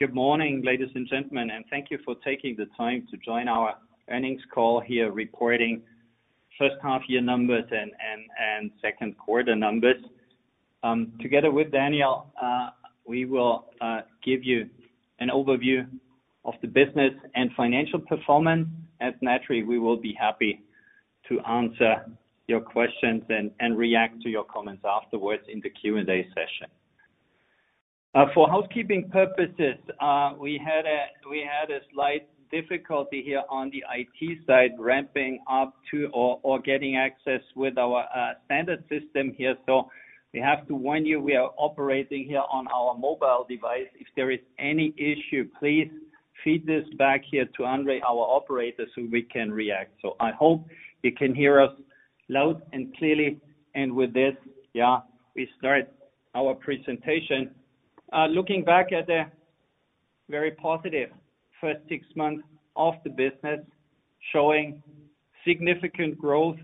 Good morning, ladies and gentlemen, thank you for taking the time to join our earnings call here, reporting first half year numbers and Q2 numbers. Together with Daniel, we will give you an overview of the business and financial performance. Naturally, we will be happy to answer your questions and react to your comments afterwards in the Q&A session. For housekeeping purposes, we had a slight difficulty here on the IT side, ramping up to or getting access with our standard system here. We have to warn you, we are operating here on our mobile device. If there is any issue, please feed this back here to Andre, our operator, so we can react. I hope you can hear us loud and clearly, and with this, yeah, we start our presentation. Looking back at the very positive first 6 months of the business, showing significant growth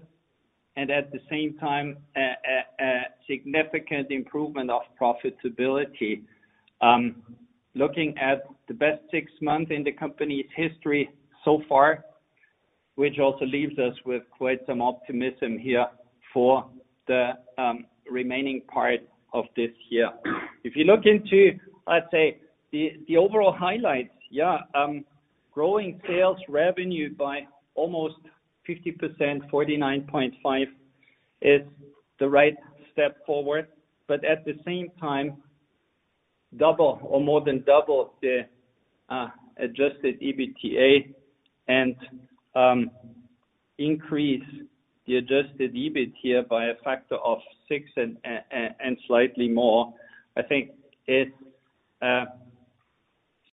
and at the same time, a significant improvement of profitability. Looking at the best 6 months in the company's history so far, which also leaves us with quite some optimism here for the remaining part of this year. If you look into the overall highlights, growing sales revenue by almost 50%, 49.5, is the right step forward, but at the same time, double or more than double the Adjusted EBITDA, and increase the Adjusted EBIT here by a factor of 6 and slightly more. I think it's a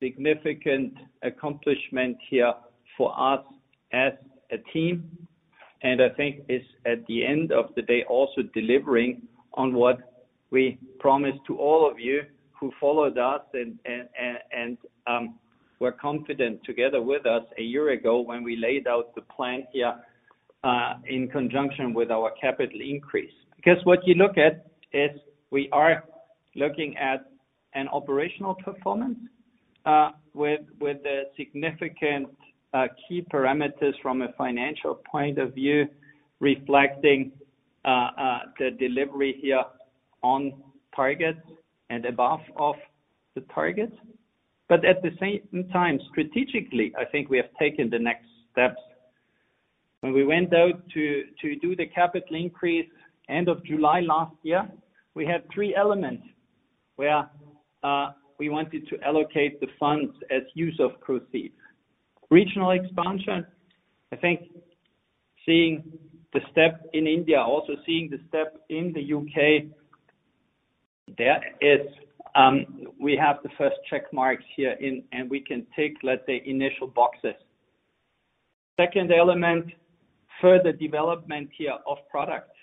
significant accomplishment here for us as a team, and I think it's at the end of the day, also delivering on what we promised to all of you who followed us and were confident together with us a year ago when we laid out the plan here in conjunction with our capital increase. What you look at is we are looking at an operational performance with the significant key parameters from a financial point of view, reflecting the delivery here on target and above of the target. At the same time, strategically, I think we have taken the next steps. When we went out to do the capital increase end of July last year, we had three elements where we wanted to allocate the funds as use of proceeds. Regional expansion, I think seeing the step in India, also seeing the step in the UK, there is, we have the first check mark here in, and we can tick, let's say, initial boxes. Second element, further development here of products,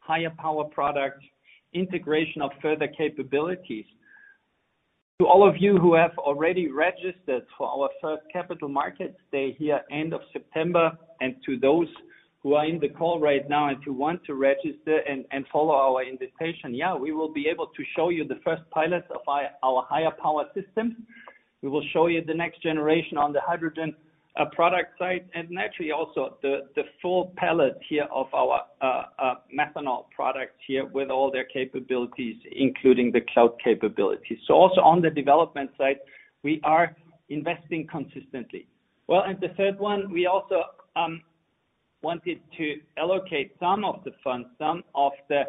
higher power products, integration of further capabilities. To all of you who have already registered for our first Capital Markets Day here, end of September, and to those who are in the call right now, and who want to register and, and follow our invitation, yeah, we will be able to show you the first pilot of our, our higher power system. We will show you the next generation on the hydrogen product side, and naturally, also the full palette here of our methanol products here with all their capabilities, including the cloud capabilities. Also on the development side, we are investing consistently. The third one, we also, wanted to allocate some of the funds, some of the,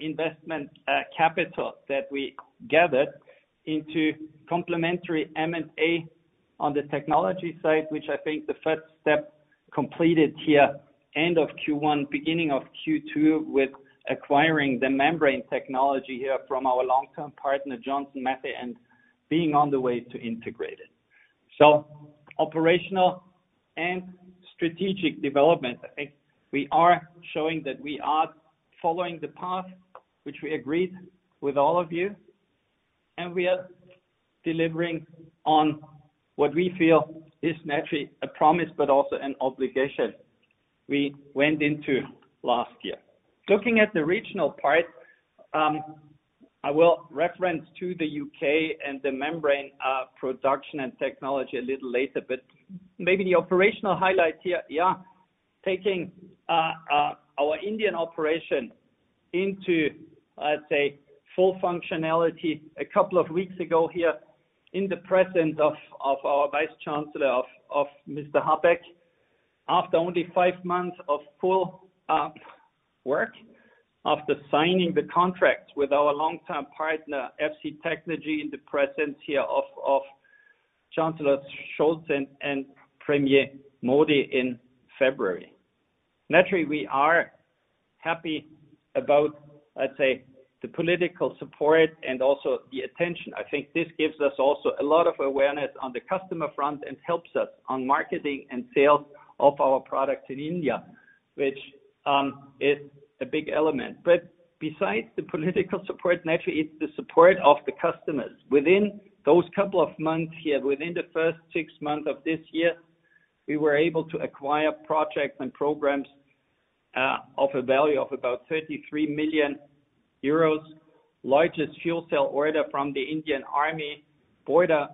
investment, capital that we gathered into complementary M&A on the technology side, which I think the first step completed here, end of Q1, beginning of Q2, with acquiring the membrane technology here from our long-term partner, Johnson Matthey, and being on the way to integrate it. Operational and strategic development, I think we are showing that we are following the path which we agreed with all of you, and we are delivering on what we feel is naturally a promise, but also an obligation we went into last year. Looking at the regional part, I will reference to the UK and the membrane production and technology a little later, but maybe the operational highlights here, taking our Indian operation into, I'd say, full functionality a couple of weeks ago here in the presence of our Vice Chancellor Mr. Habeck, after only five months of full work, after signing the contract with our long-term partner, FC TecNrgy, in the presence here of Chancellor Scholz and Premier Modi in February. Naturally, we are happy about, let's say, the political support and also the attention. I think this gives us also a lot of awareness on the customer front and helps us on marketing and sales of our products in India, which is a big element. Besides the political support, naturally, it's the support of the customers. Within those couple of months here, within the first 6 months of this year, we were able to acquire projects and programs. of a value of about 33 million euros, largest fuel cell order from the Indian Army, border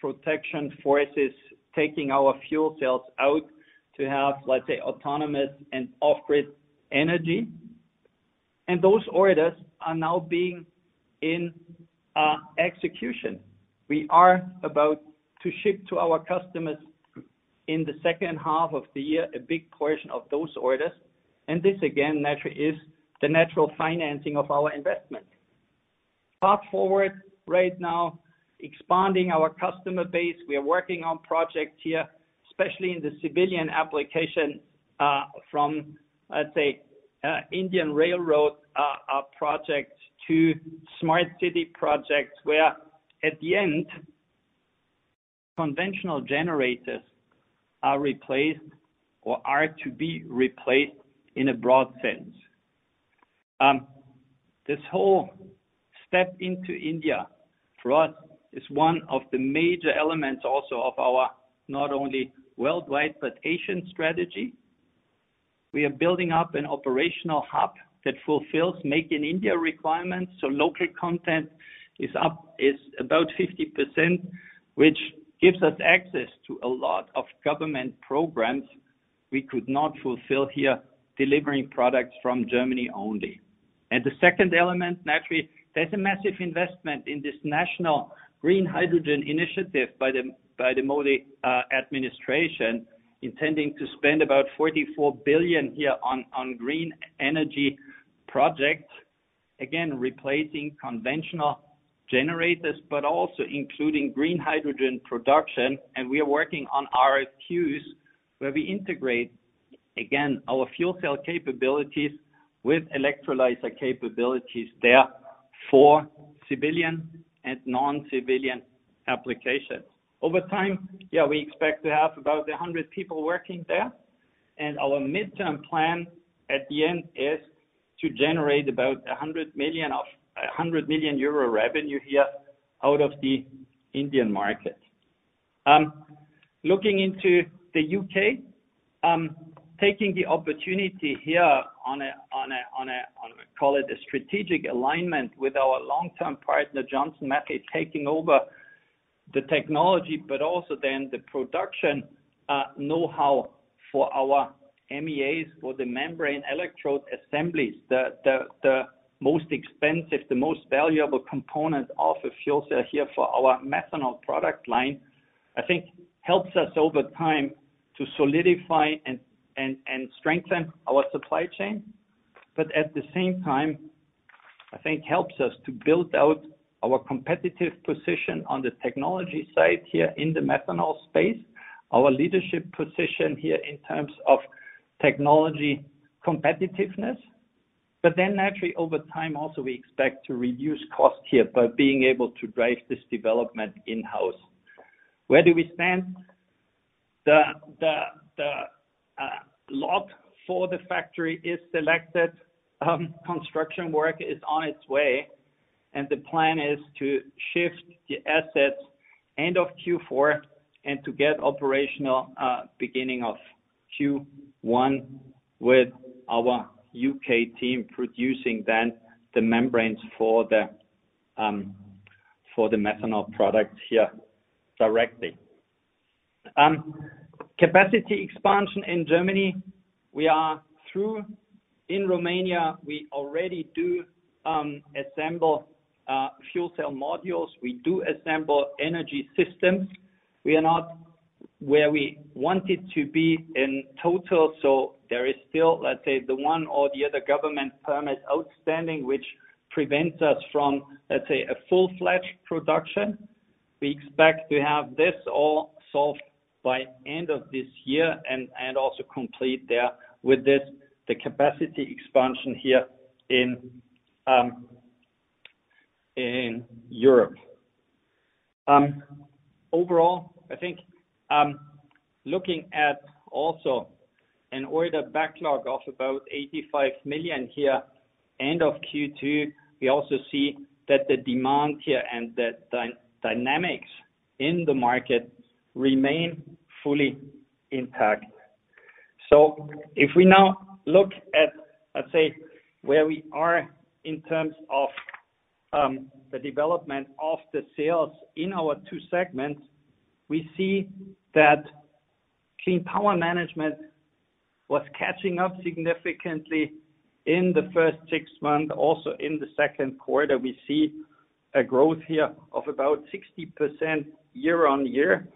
protection forces, taking our fuel cells out to have, let's say, autonomous and off-grid energy. Those orders are now being in execution. We are about to ship to our customers in the second half of the year, a big portion of those orders, and this again, naturally, is the natural financing of our investment. Fast forward, right now, expanding our customer base, we are working on projects here, especially in the civilian application, from, let's say, Indian railroad, projects to smart city projects, where at the end, conventional generators are replaced or are to be replaced in a broad sense. This whole step into India, for us, is one of the major elements also of our, not only worldwide, but Asian strategy. We are building up an operational hub that fulfills Make in India requirements, so local content is up, is about 50%, which gives us access to a lot of government programs we could not fulfill here, delivering products from Germany only. The second element, naturally, there's a massive investment in this National Green Hydrogen Mission by the Modi administration, intending to spend about 44 billion here on green energy projects. Again, replacing conventional generators, but also including green hydrogen production. We are working on RFQs, where we integrate, again, our fuel cell capabilities with electrolyzer capabilities there for civilian and non-civilian applications. Over time, we expect to have about 100 people working there, and our midterm plan, at the end, is to generate about 100 million revenue here out of the Indian market. Looking into the UK, taking the opportunity here, call it a strategic alignment with our long-term partner, Johnson Matthey, taking over the technology, but also then the production know-how for our MEAs, for the membrane electrode assemblies, the most expensive, the most valuable component of a fuel cell here for our methanol product line. I think helps us over time to solidify and, and, and strengthen our supply chain, at the same time, I think helps us to build out our competitive position on the technology side here in the methanol space, our leadership position here in terms of technology competitiveness. Then naturally, over time, also, we expect to reduce costs here by being able to drive this development in-house. Where do we stand? The, the, the lot for the factory is selected, construction work is on its way, the plan is to shift the assets end of Q4 and to get operational beginning of Q1 with our UK team producing then the membranes for the for the methanol products here directly. Capacity expansion in Germany, we are through. In Romania, we already do assemble fuel cell modules. We do assemble energy systems. We are not where we wanted to be in total. There is still, let's say, the one or the other government permit outstanding, which prevents us from, let's say, a full-fledged production. We expect to have this all solved by end of this year and also complete there with this, the capacity expansion here in Europe. Overall, I think, looking at also an order backlog of about 85 million here, end of Q2, we also see that the demand here and the dynamics in the market remain fully intact. If we now look at, let's say, where we are in terms of the development of the sales in our two segments, we see that Clean Power Management was catching up significantly in the first six months. In the Q2, we see a growth here of about 60% year-on-year,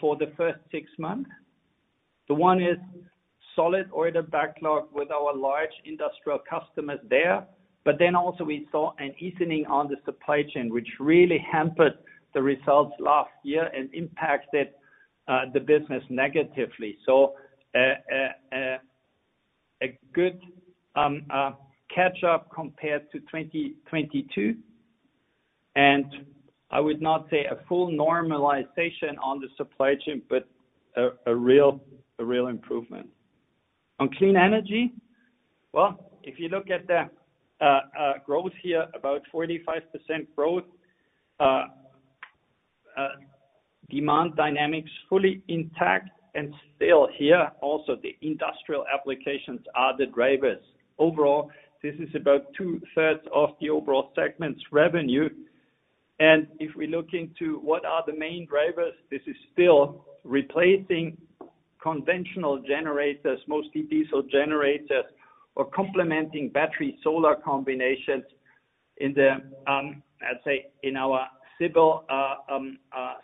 for the first six months. The one is solid order backlog with our large industrial customers there. We saw an easing on the supply chain, which really hampered the results last year and impacted the business negatively. A good catch up compared to 2022, I would not say a full normalization on the supply chain, but a real, a real improvement. On Clean Energy, well, if you look at the growth here, about 45% growth, demand dynamics fully intact and still here. Also, the industrial applications are the drivers. Overall, this is about 2/3 of the overall segment's revenue. If we look into what are the main drivers, this is still replacing conventional generators, mostly diesel generators, or complementing battery solar combinations in the, I'd say, in our civil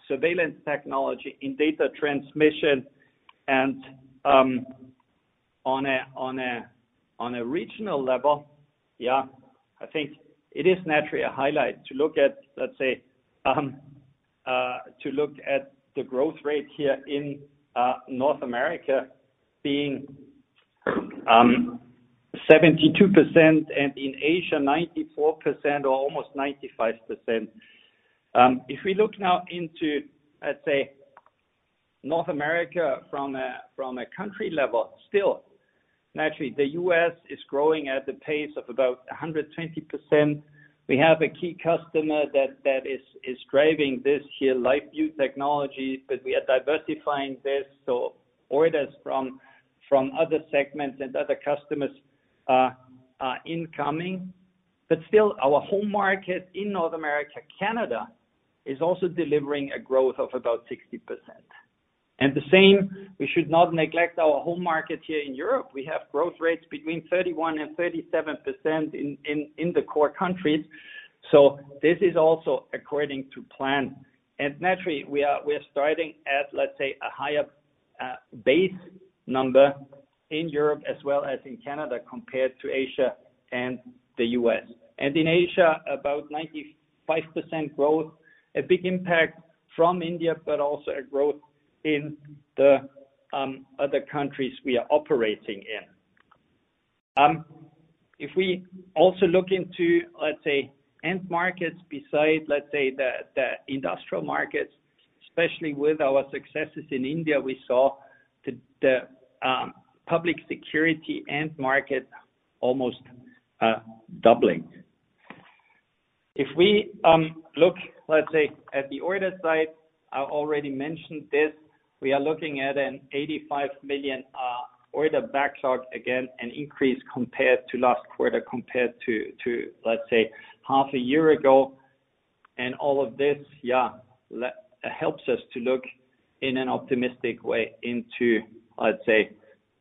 surveillance technology in data transmission. On a regional level, yeah, I think it is naturally a highlight to look at, let's say, to look at the growth rate here in North America being 72%, and in Asia, 94%, or almost 95%. If we look now into, let's say, North America from a country level, still, naturally, the US is growing at the pace of about 120%. We have a key customer that is driving this here, LiveView Technologies, but we are diversifying this, so orders from other segments and other customers are incoming. Still our home market in North America, Canada, is also delivering a growth of about 60%. The same, we should not neglect our home market here in Europe. We have growth rates between 31%-37% in the core countries, so this is also according to plan. Naturally, we are starting at, let's say, a higher base number in Europe as well as in Canada, compared to Asia and the U.S. In Asia, about 95% growth, a big impact from India, but also a growth in the other countries we are operating in. If we also look into, let's say, end markets besides, let's say, the, the industrial markets, especially with our successes in India, we saw the public security end market almost doubling. If we look, let's say, at the order side, I already mentioned this, we are looking at an 85 million order backlog, again, an increase compared to last quarter, compared to, to, let's say, half a year ago. All of this, yeah, l- helps us to look in an optimistic way into, let's say,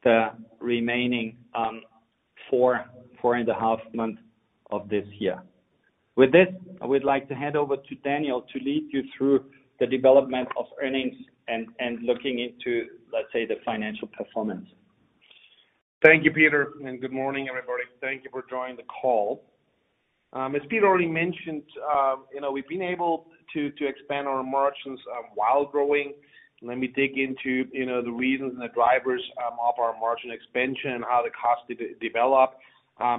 the remaining four, four and a half months of this year. With this, I would like to hand over to Daniel to lead you through the development of earnings and, and looking into, let's say, the financial performance. Thank you, Peter, and good morning, everybody. Thank you for joining the call. As Peter already mentioned, you know, we've been able to, to expand our margins, while growing. Let me dig into, you know, the reasons and the drivers of our margin expansion and how the costs developed.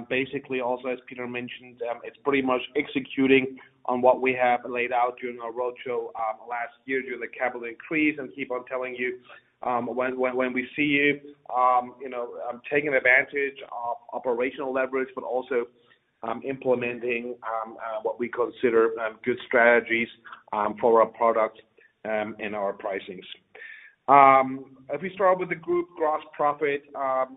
Basically, also, as Peter mentioned, it's pretty much executing on what we have laid out during our roadshow, last year during the capital increase, and keep on telling you, when we see you, you know, I'm taking advantage of operational leverage, but also, implementing, what we consider, good strategies, for our products, and our pricings. If we start with the group gross profit,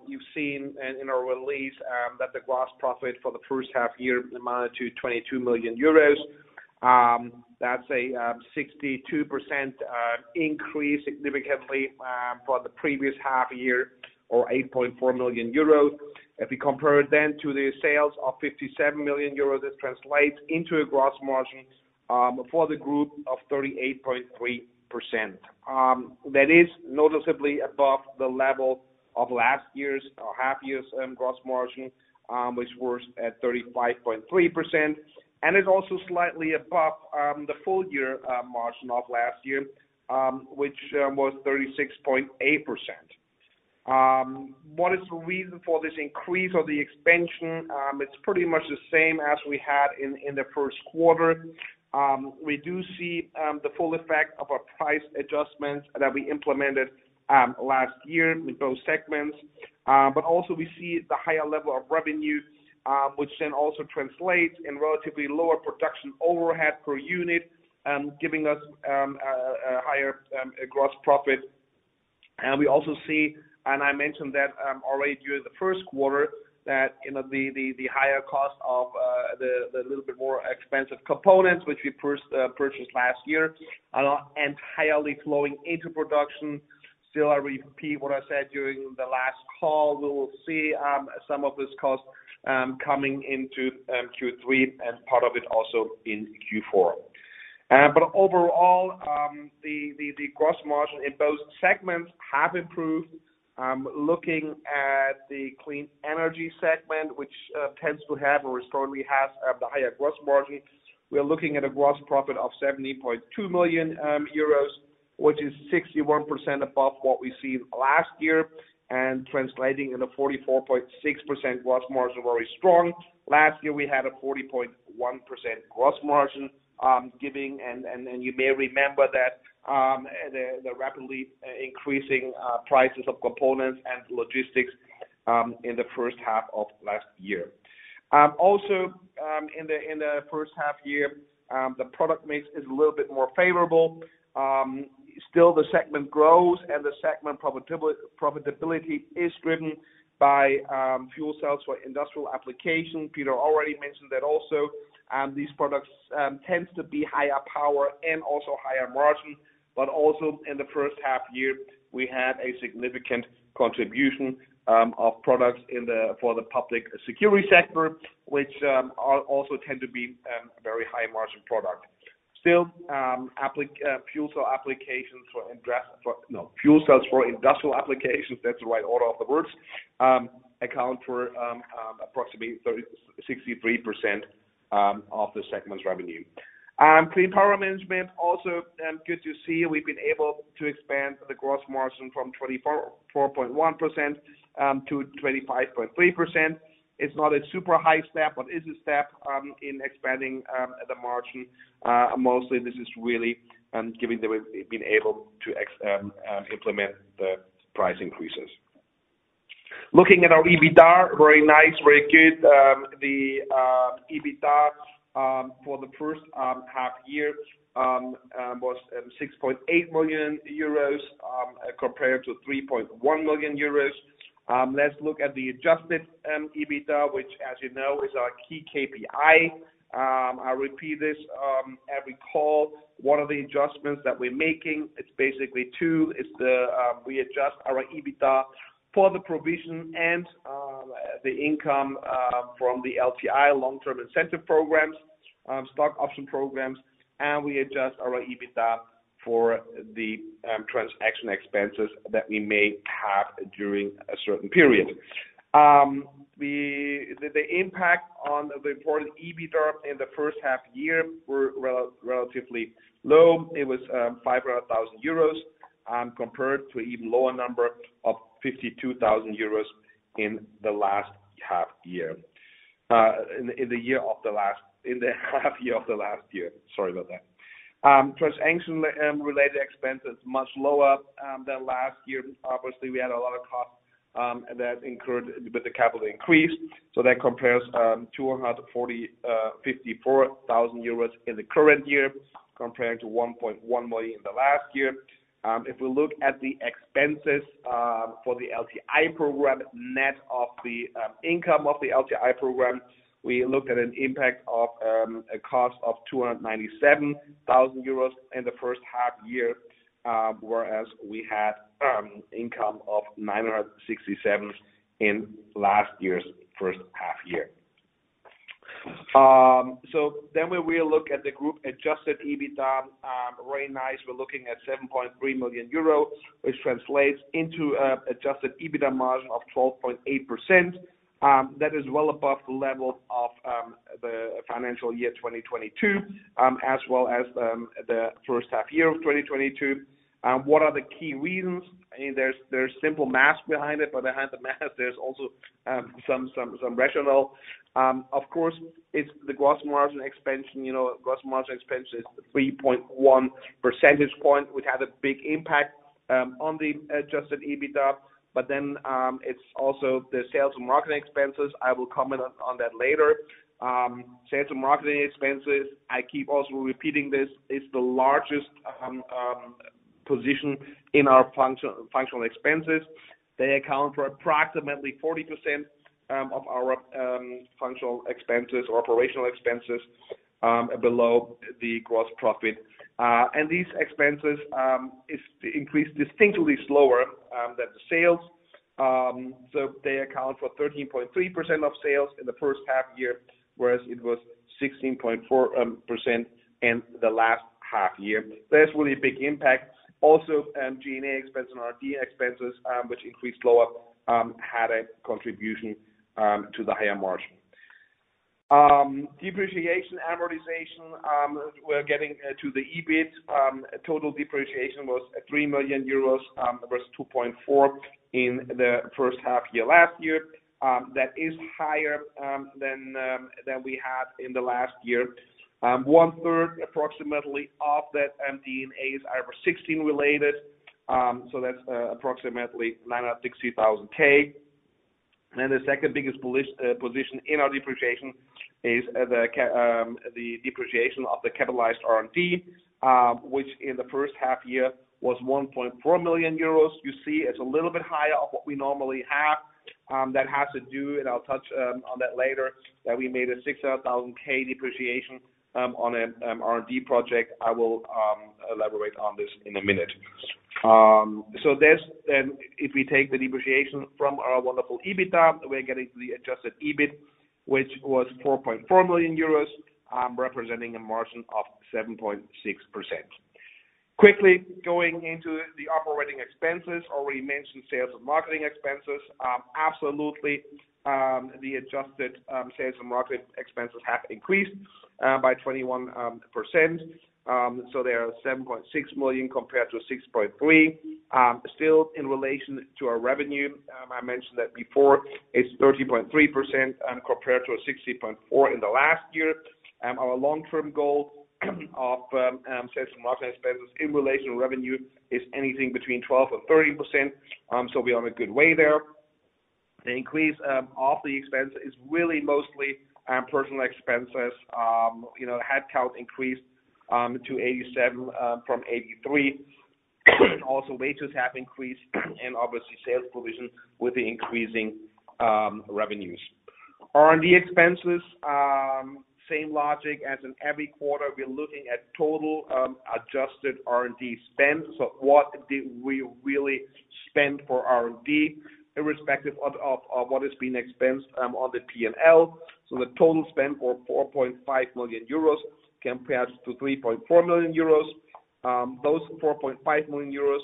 you've seen in our release that the gross profit for the first half year amounted to 22 million euros. That's a 62% increase significantly for the previous half year or 8.4 million euros. If we compare it then to the sales of 57 million euros, this translates into a gross margin for the group of 38.3%. That is noticeably above the level of last year's or half year's gross margin, which was at 35.3%, and it's also slightly above the full year margin of last year, which was 36.8%. What is the reason for this increase or the expansion? It's pretty much the same as we had in the Q1. We do see the full effect of our price adjustments that we implemented last year in both segments. Also we see the higher level of revenue, which then also translates in relatively lower production overhead per unit, giving us a higher gross profit. We also see, and I mentioned that already during the Q1, that, you know, the higher cost of the little bit more expensive components which we purchased last year are not entirely flowing into production. Still, I repeat what I said during the last call: we will see some of this cost coming into Q3 and part of it also in Q4. Overall, the gross margin in both segments have improved. Looking at the Clean Energy segment, which tends to have or strongly has the higher gross margin, we are looking at a gross profit of 70.2 million euros, which is 61% above what we see last year, and translating in a 44.6% gross margin, very strong. Last year, we had a 40.1% gross margin, giving, and you may remember that the rapidly increasing prices of components and logistics in the first half of last year. Also, in the first half year, the product mix is a little bit more favorable. Still the segment grows, and the segment profitability is driven by fuel cells for industrial application. Peter already mentioned that also, and these products tends to be higher power and also higher margin, but also in the first half year, we had a significant contribution of products in the, for the public security sector, which are also tend to be very high margin product. Still, fuel cells for industrial applications, that's the right order of the words, account for approximately 63% of the segment's revenue. Clean Power Management also, good to see, we've been able to expand the gross margin from 24.1% - 25.3%. It's not a super high step, but it's a step in expanding the margin. Mostly this is really giving the way, been able to implement the price increases. Looking at our EBITDA, very nice, very good. The EBITDA for the first half year was 6.8 million euros compared to 3.1 million euros. Let's look at the Adjusted EBITDA, which, as you know, is our key KPI. I repeat this every call. One of the adjustments that we're making, it's basically 2, is we adjust our EBITDA for the provision and the income from the LTI, Long-Term Incentive Programs, stock option programs, and we adjust our EBITDA for the transaction expenses that we may have during a certain period. The impact on the important EBITDA in the first half year were relatively low. It was 500,000 euros, compared to even lower number of 52,000 euros in the last half year. In the half year of the last year. Sorry about that. Transaction related expenses, much lower than last year. Obviously, we had a lot of costs that incurred with the capital increase. That compares 254,000 euros in the current year, compared to 1.1 million in the last year. If we look at the expenses for the LTI program, net of the income of the LTI program, we looked at an impact of a cost of 297,000 euros in the first half year, whereas we had income of 967 in last year's first half year. When we look at the group Adjusted EBITDA, very nice, we're looking at 7.3 million euro, which translates into a Adjusted EBITDA margin of 12.8%. That is well above the level of the financial year 2022, as well as the first half year of 2022. What are the key reasons? I mean, there's, there's simple math behind it, but behind the math, there's also some, some, some rationale. Of course, it's the gross margin expansion. You know, gross margin expansion is 3.1 percentage point, which had a big impact on the Adjusted EBITDA, then, it's also the sales and marketing expenses. I will comment on that later. Sales and marketing expenses, I keep also repeating this, is the largest position in our functional expenses. They account for approximately 40% of our functional expenses or operational expenses below the gross profit. And these expenses is increased distinctly slower than the sales. They account for 13.3% of sales in the first half year, whereas it was 16.4% in the last half year. That's really a big impact. G&A expense and R&D expenses, which increased lower, had a contribution to the higher margin. Depreciation, amortization, we're getting to the EBIT. Total depreciation was 3 million euros versus 2.4 million in the first half year last year. That is higher than than we had in the last year. One-third, approximately of that, D&A, are sixteen related. So that's approximately 960,000. The second biggest position in our depreciation is the depreciation of the capitalized R&D, which in the first half year was 1.4 million euros. You see, it's a little bit higher of what we normally have. That has to do, and I'll touch on that later, that we made a 600,000 depreciation on an R&D project. I will elaborate on this in a minute. There's, if we take the depreciation from our wonderful EBITDA, we're getting to the Adjusted EBIT, which was 4.4 million euros, representing a margin of 7.6%. Quickly going into the operating expenses, already mentioned sales and marketing expenses. Absolutely, the adjusted sales and marketing expenses have increased by 21%. They are 7.6 million compared to 6.3 million. Still, in relation to our revenue, I mentioned that before, it's 30.3%, and compared to a 60.4% in the last year. Our long-term goal of sales and marketing expenses in relation to revenue is anything between 12% and 30%. We are on a good way there. The increase of the expense is really mostly personal expenses. You know, headcount increased to 87 from 83. Also, wages have increased, and obviously sales provision with the increasing revenues. R&D expenses, same logic as in every quarter, we're looking at total adjusted R&D spend. What did we really spend for R&D, irrespective of what is being expensed on the P&L? The total spend for 4.5 million euros compared to 3.4 million euros. Those 4.5 million euros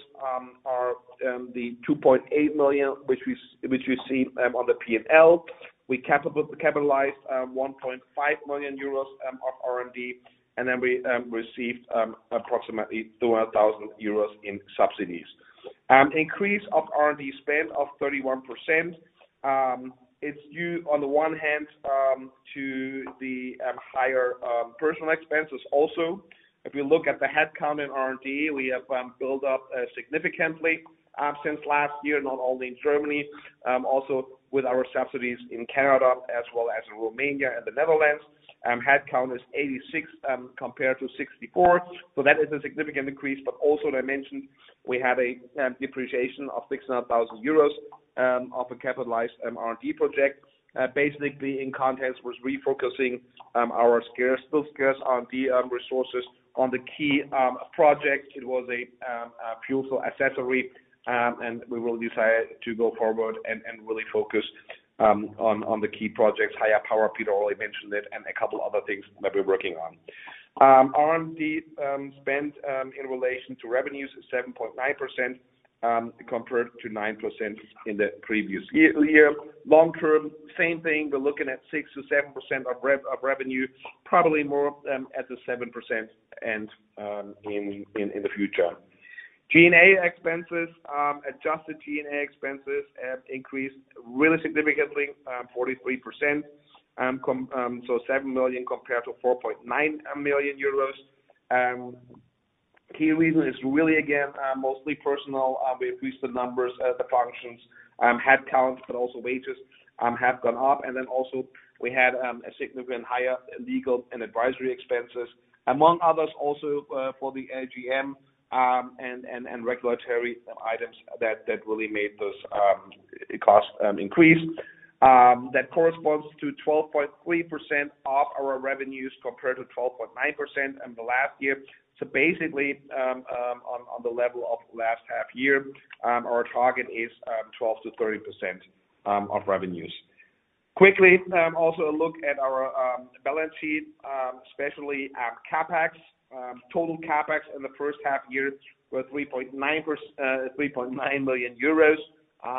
are the 2.8 million, which we, which you see on the P&L. We capitalized, 1.5 million euros of R&D, then we received approximately 200,000 euros in subsidies. Increase of R&D spend of 31%, it's due, on the one hand, to the higher personal expenses. Also, if you look at the headcount in R&D, we have built up significantly since last year, not only in Germany, also with our subsidies in Canada as well as in Romania and the Netherlands. Headcount is 86, compared to 64. That is a significant increase, but also I mentioned we have a depreciation of 600,000 euros of a capitalized R&D project. Basically, in context, was refocusing our scarce, still scarce R&D resources on the key project. It was a fuel cell accessory, and we will decide to go forward and really focus on the key projects, higher power, Peter already mentioned it, and a couple of other things that we're working on. R&D spend in relation to revenues is 7.9% compared to 9% in the previous year. Long term, same thing, we're looking at 6%-7% of revenue, probably more at the 7% and in the future. G&A expenses, adjusted G&A expenses have increased really significantly, 43%, so 7 million compared to 4.9 million euros. Key reason is really, again, mostly personal. We increased the numbers at the functions, headcount, also wages have gone up. Also we had a significant higher legal and advisory expenses, among others, also for the AGM, and regulatory items that really made those cost increase. That corresponds to 12.3% of our revenues, compared to 12.9% in the last year. Basically, on the level of last half year, our target is 12%-13% of revenues. Quickly, also a look at our balance sheet, especially at Capex. Total Capex in the first half year were 3.9 million euros.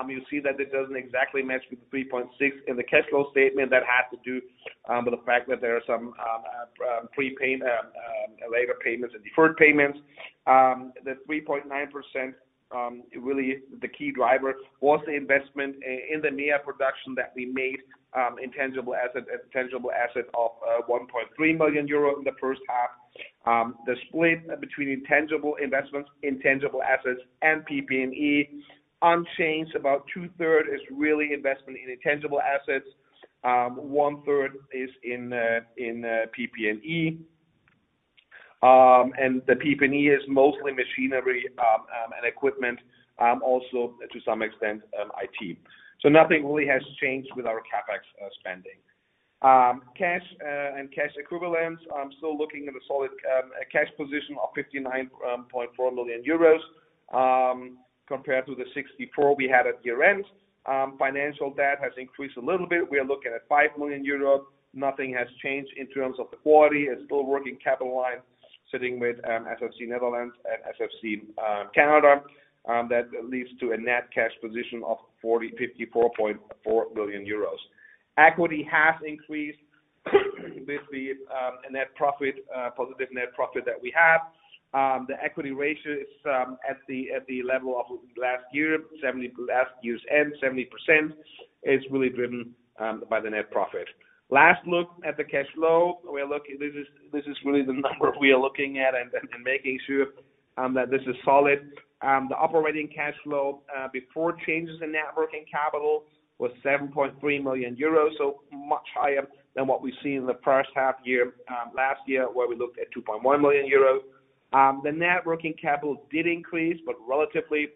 You see that it doesn't exactly match with the 3.6 in the cash flow statement. That has to do with the fact that there are some prepay labor payments and deferred payments. The 3.9% really the key driver was the investment in the MEA production that we made, intangible asset of 1.3 million euro in the first half. The split between intangible investments, intangible assets, and PP&E, unchanged. About two-third is really investment in intangible assets. One-third is in PP&E. The PP&E is mostly machinery and equipment, also to some extent, IT. Nothing really has changed with our Capex spending. Cash and cash equivalents, I'm still looking at a solid cash position of 59.4 million euros, compared to the 64 million we had at year-end. Financial debt has increased a little bit. We are looking at 5 million euros. Nothing has changed in terms of the quality. It's still working capital line, sitting with SFC Netherlands and SFC Canada. That leads to a net cash position of 54.4 million euros. Equity has increased with the net profit, positive net profit that we have. The equity ratio is at the level of last year, last year's end, 70% is really driven by the net profit. Last look at the cash flow. This is, this is really the number we are looking at and, and making sure that this is solid. The operating cash flow before changes in net working capital was 7.3 million euros, much higher than what we see in the first half year last year, where we looked at 2.1 million euros. The net working capital did increase, relatively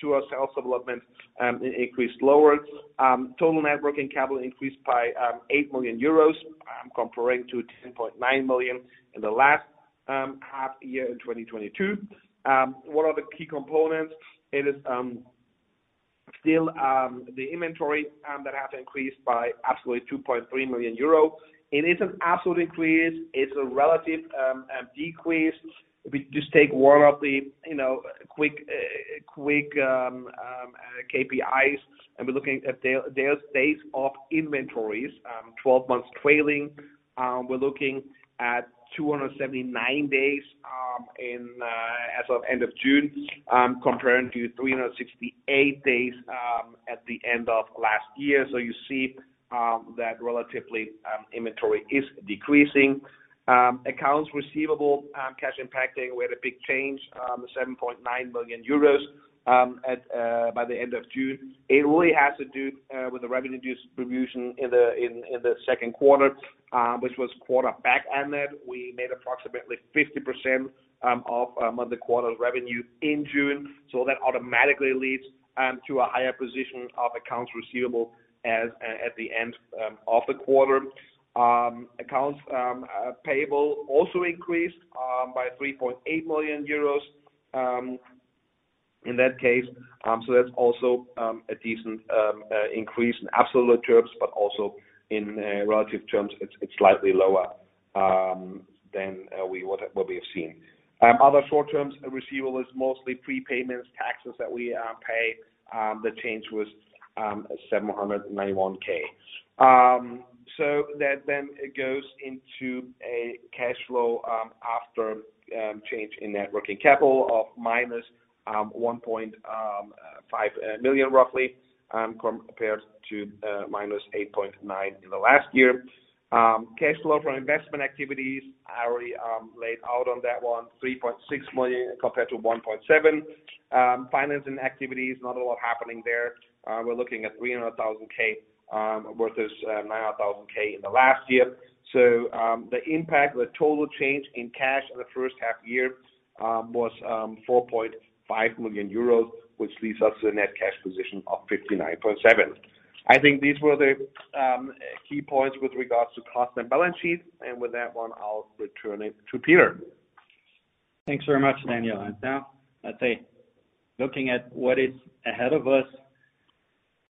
to our sales development, it increased lower. Total net working capital increased by 8 million euros comparing to 10.9 million in the last half year in 2022. What are the key components? It is still the inventory that has increased by absolutely 2.3 million euro. It is an absolute increase. It's a relative decrease. We just take one of the, you know, quick quick KPIs, we're looking at their days of inventories, 12 months trailing. We're looking at 279 days, in, as of end of June, comparing to 368 days, at the end of last year. You see, that relatively, inventory is decreasing. Accounts receivable, cash impacting, we had a big change, 7.9 million euros. At by the end of June, it really has to do with the revenue distribution in the, in, in the Q2, which was quarter back-ended. We made approximately 50% of, of the quarter's revenue in June, so that automatically leads to a higher position of accounts receivable as, at the end, of the quarter. Accounts payable also increased by 3.8 million euros in that case. That's also a decent increase in absolute terms, but also in relative terms, it's slightly lower than what we have seen. Other short-term receivables, mostly prepayments, taxes that we pay, the change was 791 thousand. That then it goes into a cash flow after change in net working capital of minus 1.5 million, roughly, compared to minus 8.9 million in the last year. Cash flow from investment activities, I already laid out on that one, 3.6 million compared to 1.7 million. Financing activities, not a lot happening there. We're looking at 300 thousand versus 900 thousand in the last year. The impact, the total change in cash in the first half year was 4.5 million euros, which leaves us a net cash position of 59.7 million. I think these were the key points with regards to cost and balance sheet. With that one, I'll return it to Peter. Thanks very much, Daniel. Now, looking at what is ahead of us.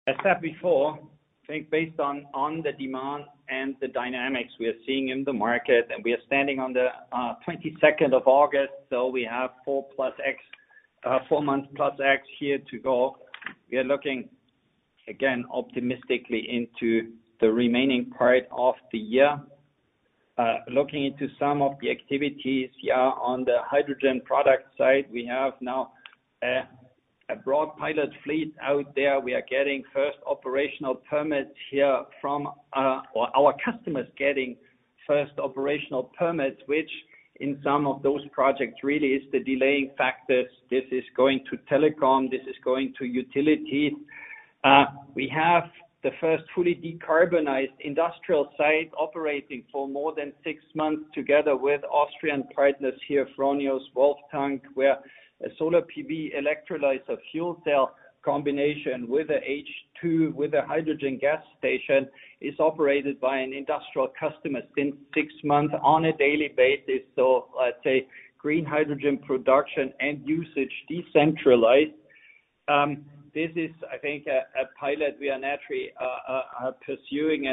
I said before, I think based on, on the demand and the dynamics we are seeing in the market, and we are standing on the, 22nd of August, so we have 4-plus X, 4 months plus X here to go. We are looking, again, optimistically into the remaining part of the year. Looking into some of the activities here on the hydrogen product side, we have now, a broad pilot fleet out there. We are getting first operational permits here from, or our customers getting first operational permits, which in some of those projects, really is the delaying factors. This is going to telecom, this is going to utility. We have the first fully decarbonized industrial site operating for more than 6 months, together with Austrian partners here, Fronius, Wolftank, where a solar PV electrolyzer fuel cell combination with a H2, with a hydrogen gas station, is operated by an industrial customer since 6 months on a daily basis. Let's say, green hydrogen production and usage, decentralized. This is, I think, a pilot we are naturally pursuing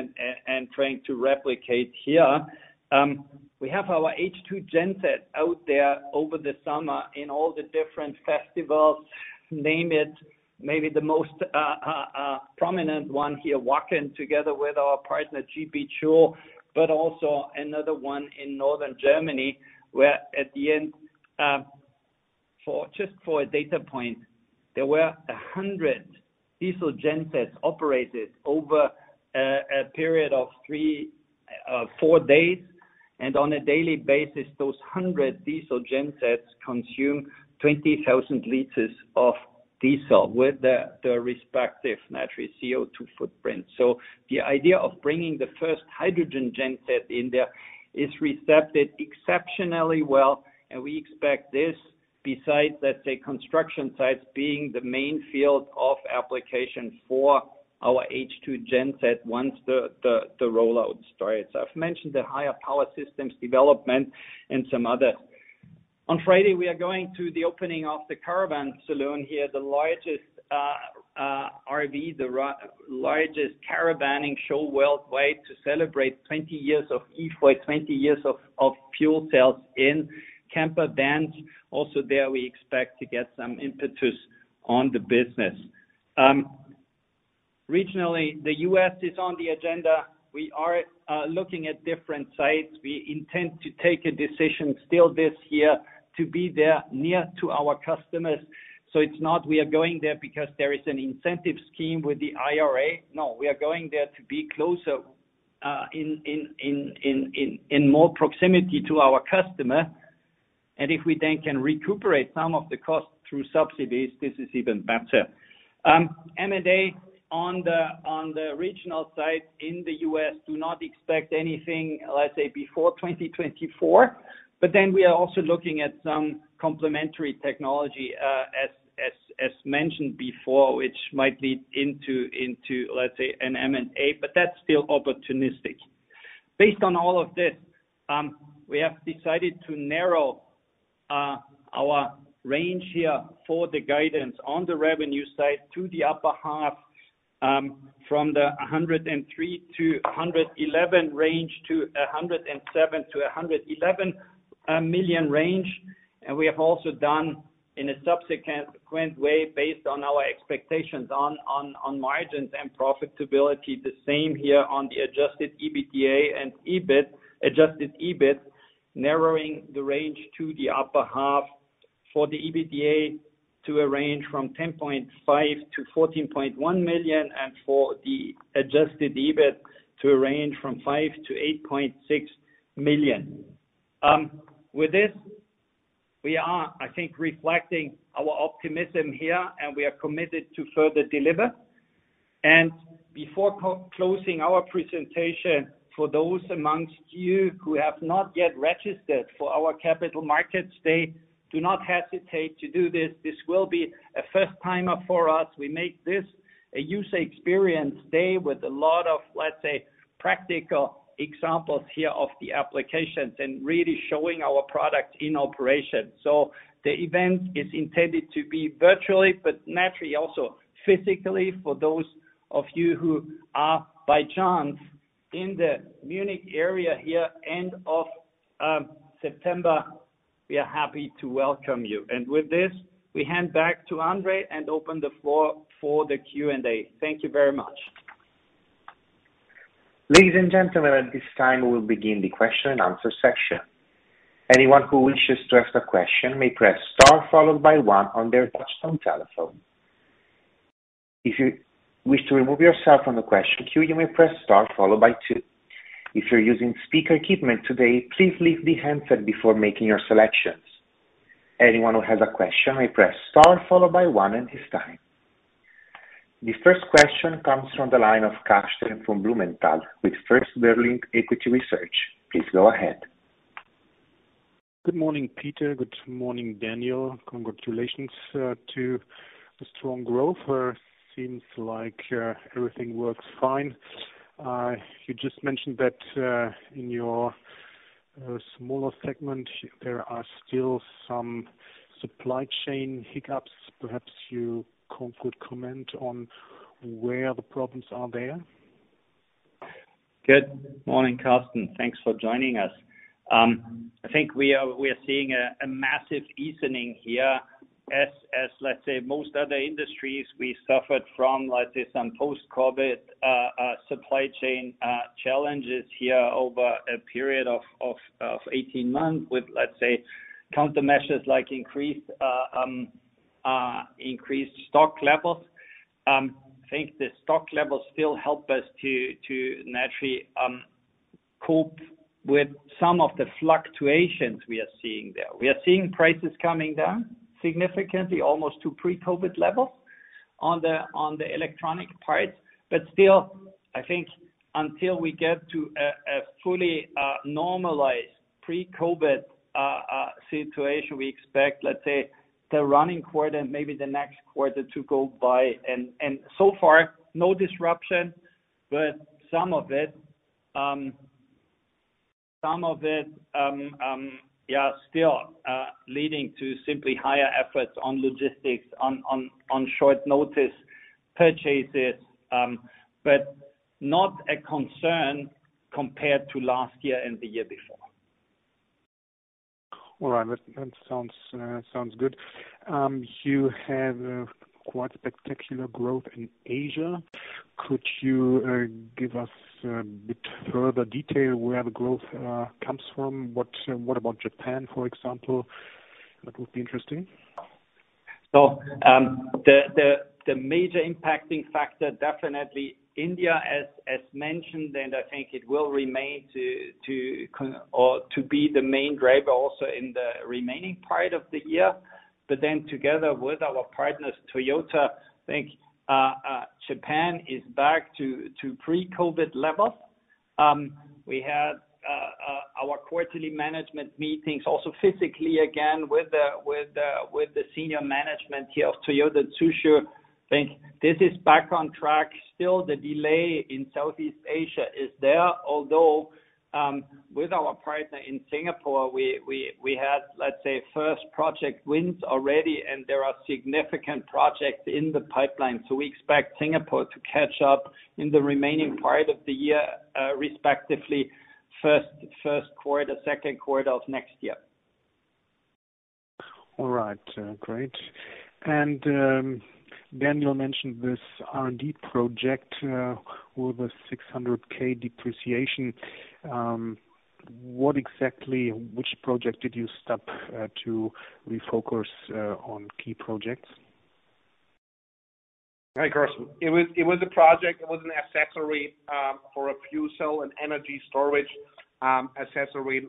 and trying to replicate here. We have our H2Genset out there over the summer in all the different festivals. Name it, maybe the most prominent one here, Wacken, together with our partner, GP Joule, but also another one in Northern Germany, where at the end, just for a data point, there were 100 diesel gensets operated over a period of 3, 4 days, and on a daily basis, those 100 diesel gensets consume 20,000 liters of diesel with the respective natural CO2 footprint. The idea of bringing the first hydrogen genset in there is recepted exceptionally well, and we expect this, besides, let's say, construction sites being the main field of application for our H2 genset once the rollout starts. I've mentioned the higher power systems development and some other. On Friday, we are going to the opening of the Caravan Salon here, the largest RV, the largest caravaning show worldwide, to celebrate 20 years of E-Fuels, 20 years of, of fuel cells in camper vans. There, we expect to get some impetus on the business. Regionally, the U.S. is on the agenda. We are looking at different sites. We intend to take a decision still this year to be there near to our customers. It's not we are going there because there is an incentive scheme with the IRA. We are going there to be closer in more proximity to our customer, and if we then can recuperate some of the costs through subsidies, this is even better. M&A on the, on the regional side in the US, do not expect anything, let's say, before 2024. We are also looking at some complementary technology, as, as, as mentioned before, which might lead into, into, let's say, an M&A, but that's still opportunistic. Based on all of this, we have decided to narrow our range here for the guidance on the revenue side to the upper half, from the EUR 103 million-EUR 111 million range to a EUR 107 million-EUR 111 million range. We have also done in a subsequent way, based on our expectations on margins and profitability, the same here on the Adjusted EBITDA and EBIT, Adjusted EBIT, narrowing the range to the upper half for the EBITDA to a range from 10.5 million-14.1 million, and for the Adjusted EBIT to a range from 5 million-8.6 million. With this, we are, I think, reflecting our optimism here, and we are committed to further deliver. Before closing our presentation, for those amongst you who have not yet registered for our capital markets day, do not hesitate to do this. This will be a first timer for us. We make this a user experience day with a lot of, let's say, practical examples here of the applications and really showing our product in operation. The event is intended to be virtually, but naturally, also physically, for those of you who are, by chance, in the Munich area here, end of September, we are happy to welcome you. With this, we hand back to Andre and open the floor for the Q&A. Thank you very much. Ladies and gentlemen, at this time, we'll begin the question and answer section. Anyone who wishes to ask a question may press Star followed by one on their touchtone telephone. If you wish to remove yourself from the question queue, you may press Star followed by two. If you're using speaker equipment today, please leave the handset before making your selections. Anyone who has a question may press Star followed by one at this time. The first question comes from the line of Karsten von Blumenthal with First Berlin Equity Research. Please go ahead. Good morning, Peter. Good morning, Daniel. Congratulations to the strong growth. Seems like everything works fine. You just mentioned that in your smaller segment, there are still some supply chain hiccups. Perhaps you could comment on where the problems are there? Good morning, Carsten. Thanks for joining us. I think we are seeing a massive easing here. As, let's say, most other industries, we suffered from, let's say, some post-COVID supply chain challenges here over a period of 18 months with, let's say, countermeasures, like increased increased stock levels. I think the stock levels still help us to naturally cope with some of the fluctuations we are seeing there. We are seeing prices coming down significantly, almost to pre-COVID levels on the electronic parts. Still, I think until we get to a, a fully, normalized pre-COVID, situation, we expect, let's say, the running quarter, maybe the next quarter to go by, and, and so far, no disruption, but some of it, some of it, yeah, still, leading to simply higher efforts on logistics, on, on, on short notice, purchases, but not a concern compared to last year and the year before. All right. That, that sounds sounds good. You have quite a spectacular growth in Asia. Could you give us a bit further detail where the growth comes from? What, what about Japan, for example? That would be interesting. The, the, the major impacting factor, definitely India, as mentioned, and I think it will remain to be the main driver also in the remaining part of the year. Together with our partners, Toyota, I think Japan is back to pre-COVID levels. We had our quarterly management meetings, also physically, again, with the, with the, with the senior management here of Toyota Tsusho. I think this is back on track. Still, the delay in Southeast Asia is there, although with our partner in Singapore, we, we, we had, let's say, first project wins already, and there are significant projects in the pipeline. We expect Singapore to catch up in the remaining part of the year, respectively, first, Q1, Q2 of next year. All right, great. Daniel mentioned this R&D project, with the 600 K depreciation. What exactly, which project did you stop, to refocus, on key projects? Hi, Carsten. It was, it was a project. It was an accessory for a fuel cell and energy storage accessory,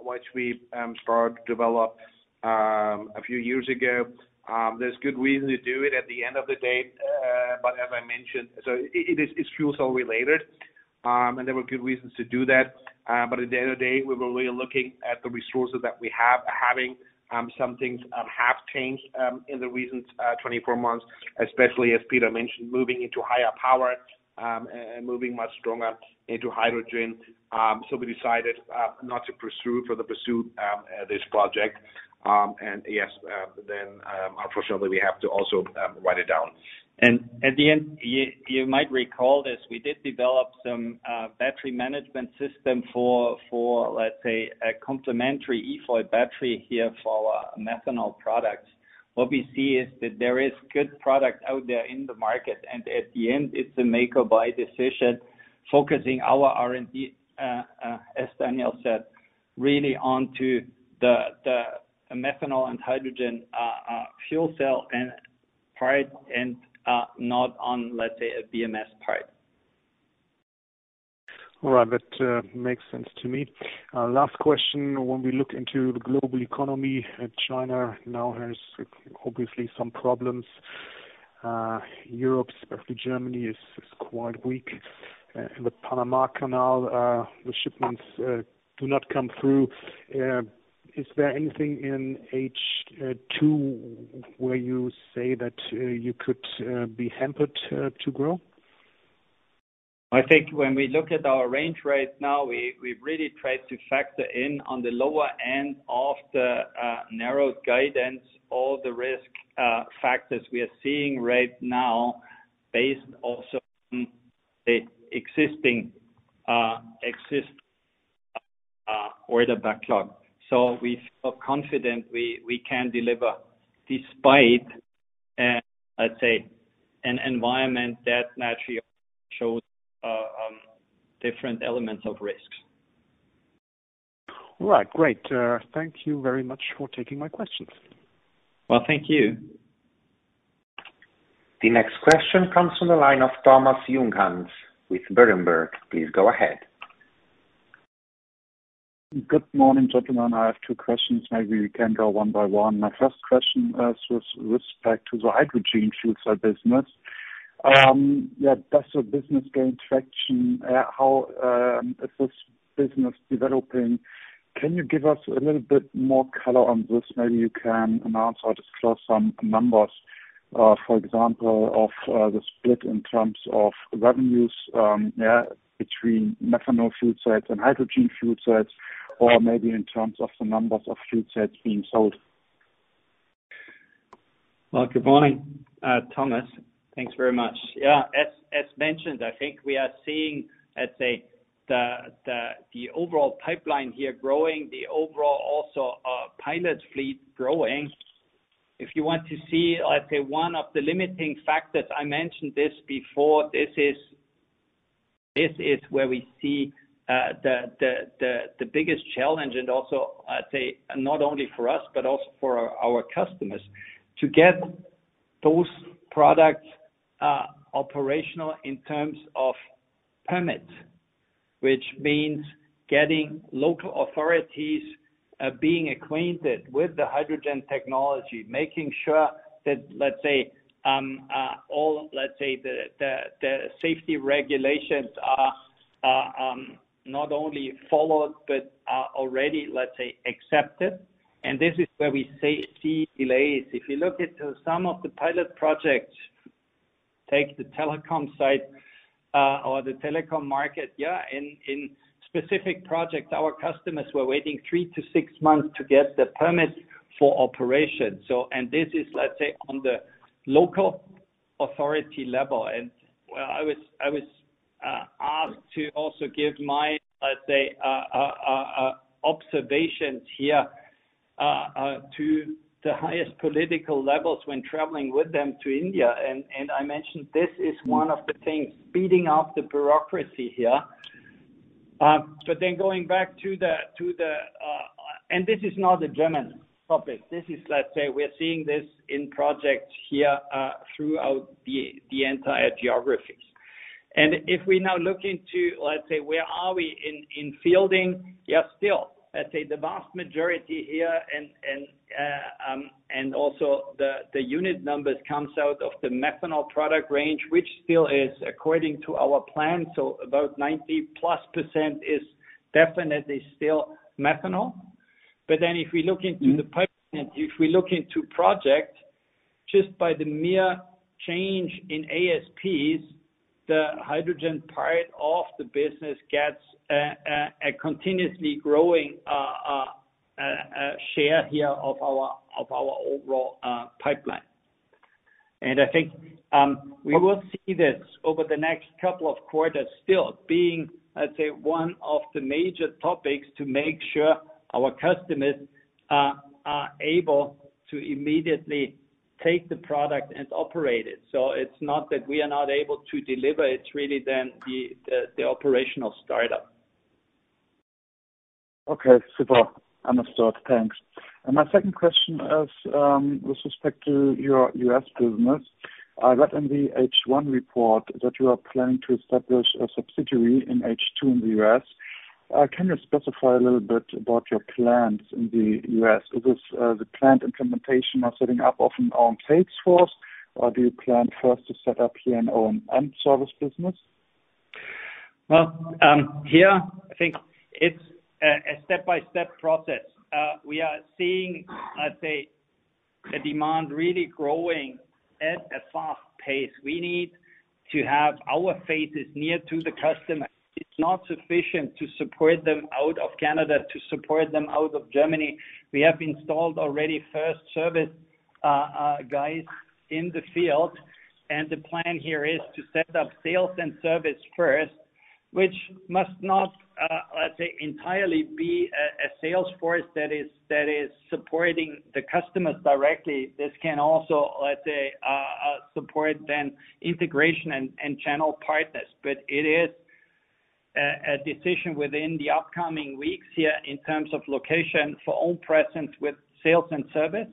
which we started to develop a few years ago. There's good reason to do it at the end of the day, as I mentioned... It, it, it's fuel cell related, there were good reasons to do that. At the end of the day, we were really looking at the resources that we have, having some things have changed in the recent 24 months, especially as Peter mentioned, moving into higher power and moving much stronger into hydrogen. We decided not to pursue, further pursue, this project. Yes, unfortunately, we have to also write it down. At the end, you, you might recall this, we did develop some battery management system for, let's say, a complementary EFOY battery here for our methanol products. What we see is that there is good product out there in the market, at the end, it's a make or buy decision, focusing our R&D as Daniel said, really onto the methanol and hydrogen fuel cell and part, not on, let's say, a BMS part. All right, that makes sense to me. Last question. When we look into the global economy, and China now has obviously some problems, Europe, especially Germany, is quite weak. The Panama Canal, the shipments do not come through. Is there anything in H two, where you say that you could be hampered to grow? I think when we look at our range right now, we, we really tried to factor in on the lower end of the narrowed guidance, all the risk factors we are seeing right now, based also on the existing order backlog. We feel confident we, we can deliver, despite, let's say, an environment that naturally shows different elements of risk. All right, great. Thank you very much for taking my questions. Well, thank you. The next question comes from the line of Thomas Junghanns with Berenberg. Please go ahead. Good morning, gentlemen. I have two questions, maybe we can go one by one. My first question is with respect to the hydrogen fuel cell business. Does the business gain traction? How is this business developing? Can you give us a little bit more color on this? Maybe you can announce or disclose some numbers, for example, of the split in terms of revenues, between methanol fuel cells and hydrogen fuel cells, or maybe in terms of the numbers of fuel cells being sold. Well, good morning, Thomas. Thanks very much. As mentioned, I think we are seeing the overall pipeline here growing, the overall also pilot fleet growing. If you want to see one of the limiting factors, I mentioned this before, this is where we see the biggest challenge, and also, I'd say, not only for us, but also for our customers, to get those products operational in terms of permits. Which means getting local authorities being acquainted with the hydrogen technology, making sure that all safety regulations are not only followed, but are already accepted. This is where we say, see delays. If you look at some of the pilot projects, take the telecom site, or the telecom market, yeah, in, in specific projects, our customers were waiting three to six months to get the permits for operation. This is, let's say, on the local authority level. Well, I was, I was asked to also give my, let's say, observations here, to the highest political levels when traveling with them to India. I mentioned this is one of the things, speeding up the bureaucracy here. Then going back to the, to the... This is not a German topic. This is, let's say, we're seeing this in projects here, throughout the, the entire geographies. If we now look into, let's say, where are we in, in fielding? Yeah, still, let's say the vast majority here and, and also the, the unit numbers comes out of the methanol product range, which still is according to our plan, so about 90-plus % is definitely still methanol. Then if we look into the pipeline, if we look into project, just by the mere change in ASPs, the hydrogen part of the business gets a continuously growing share here of our overall pipeline. I think we will see this over the next couple of quarters, still being, let's say, one of the major topics to make sure our customers are able to immediately take the product and operate it. It's not that we are not able to deliver, it's really then the operational startup. Okay, super. Understood. Thanks. My second question is, with respect to your U.S. business. I read in the H1 report that you are planning to establish a subsidiary in H2 in the U.S. Can you specify a little bit about your plans in the U.S.? Is this, the planned implementation of setting up of an own sales force, or do you plan first to set up here an O&M service business? Well, here, I think it's a step-by-step process. We are seeing, I'd say, a demand really growing at a fast pace. We need to have our faces near to the customer. It's not sufficient to support them out of Canada, to support them out of Germany. We have installed already first service guys in the field, the plan here is to set up sales and service first, which must not, let's say, entirely be a sales force that is, that is supporting the customers directly. This can also, let's say, support then integration and channel partners. It is a decision within the upcoming weeks here, in terms of location for own presence with sales and service.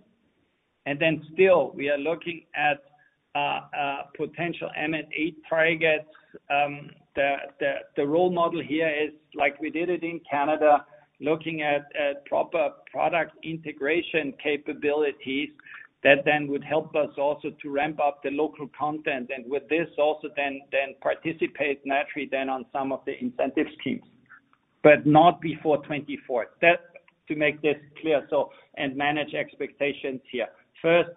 Still we are looking at potential M&A targets. The, the, the role model here is like we did it in Canada, looking at, at proper product integration capabilities that then would help us also to ramp up the local content, and with this also then, then participate naturally then on some of the incentive schemes. Not before 2024. That, to make this clear, so and manage expectations here. First,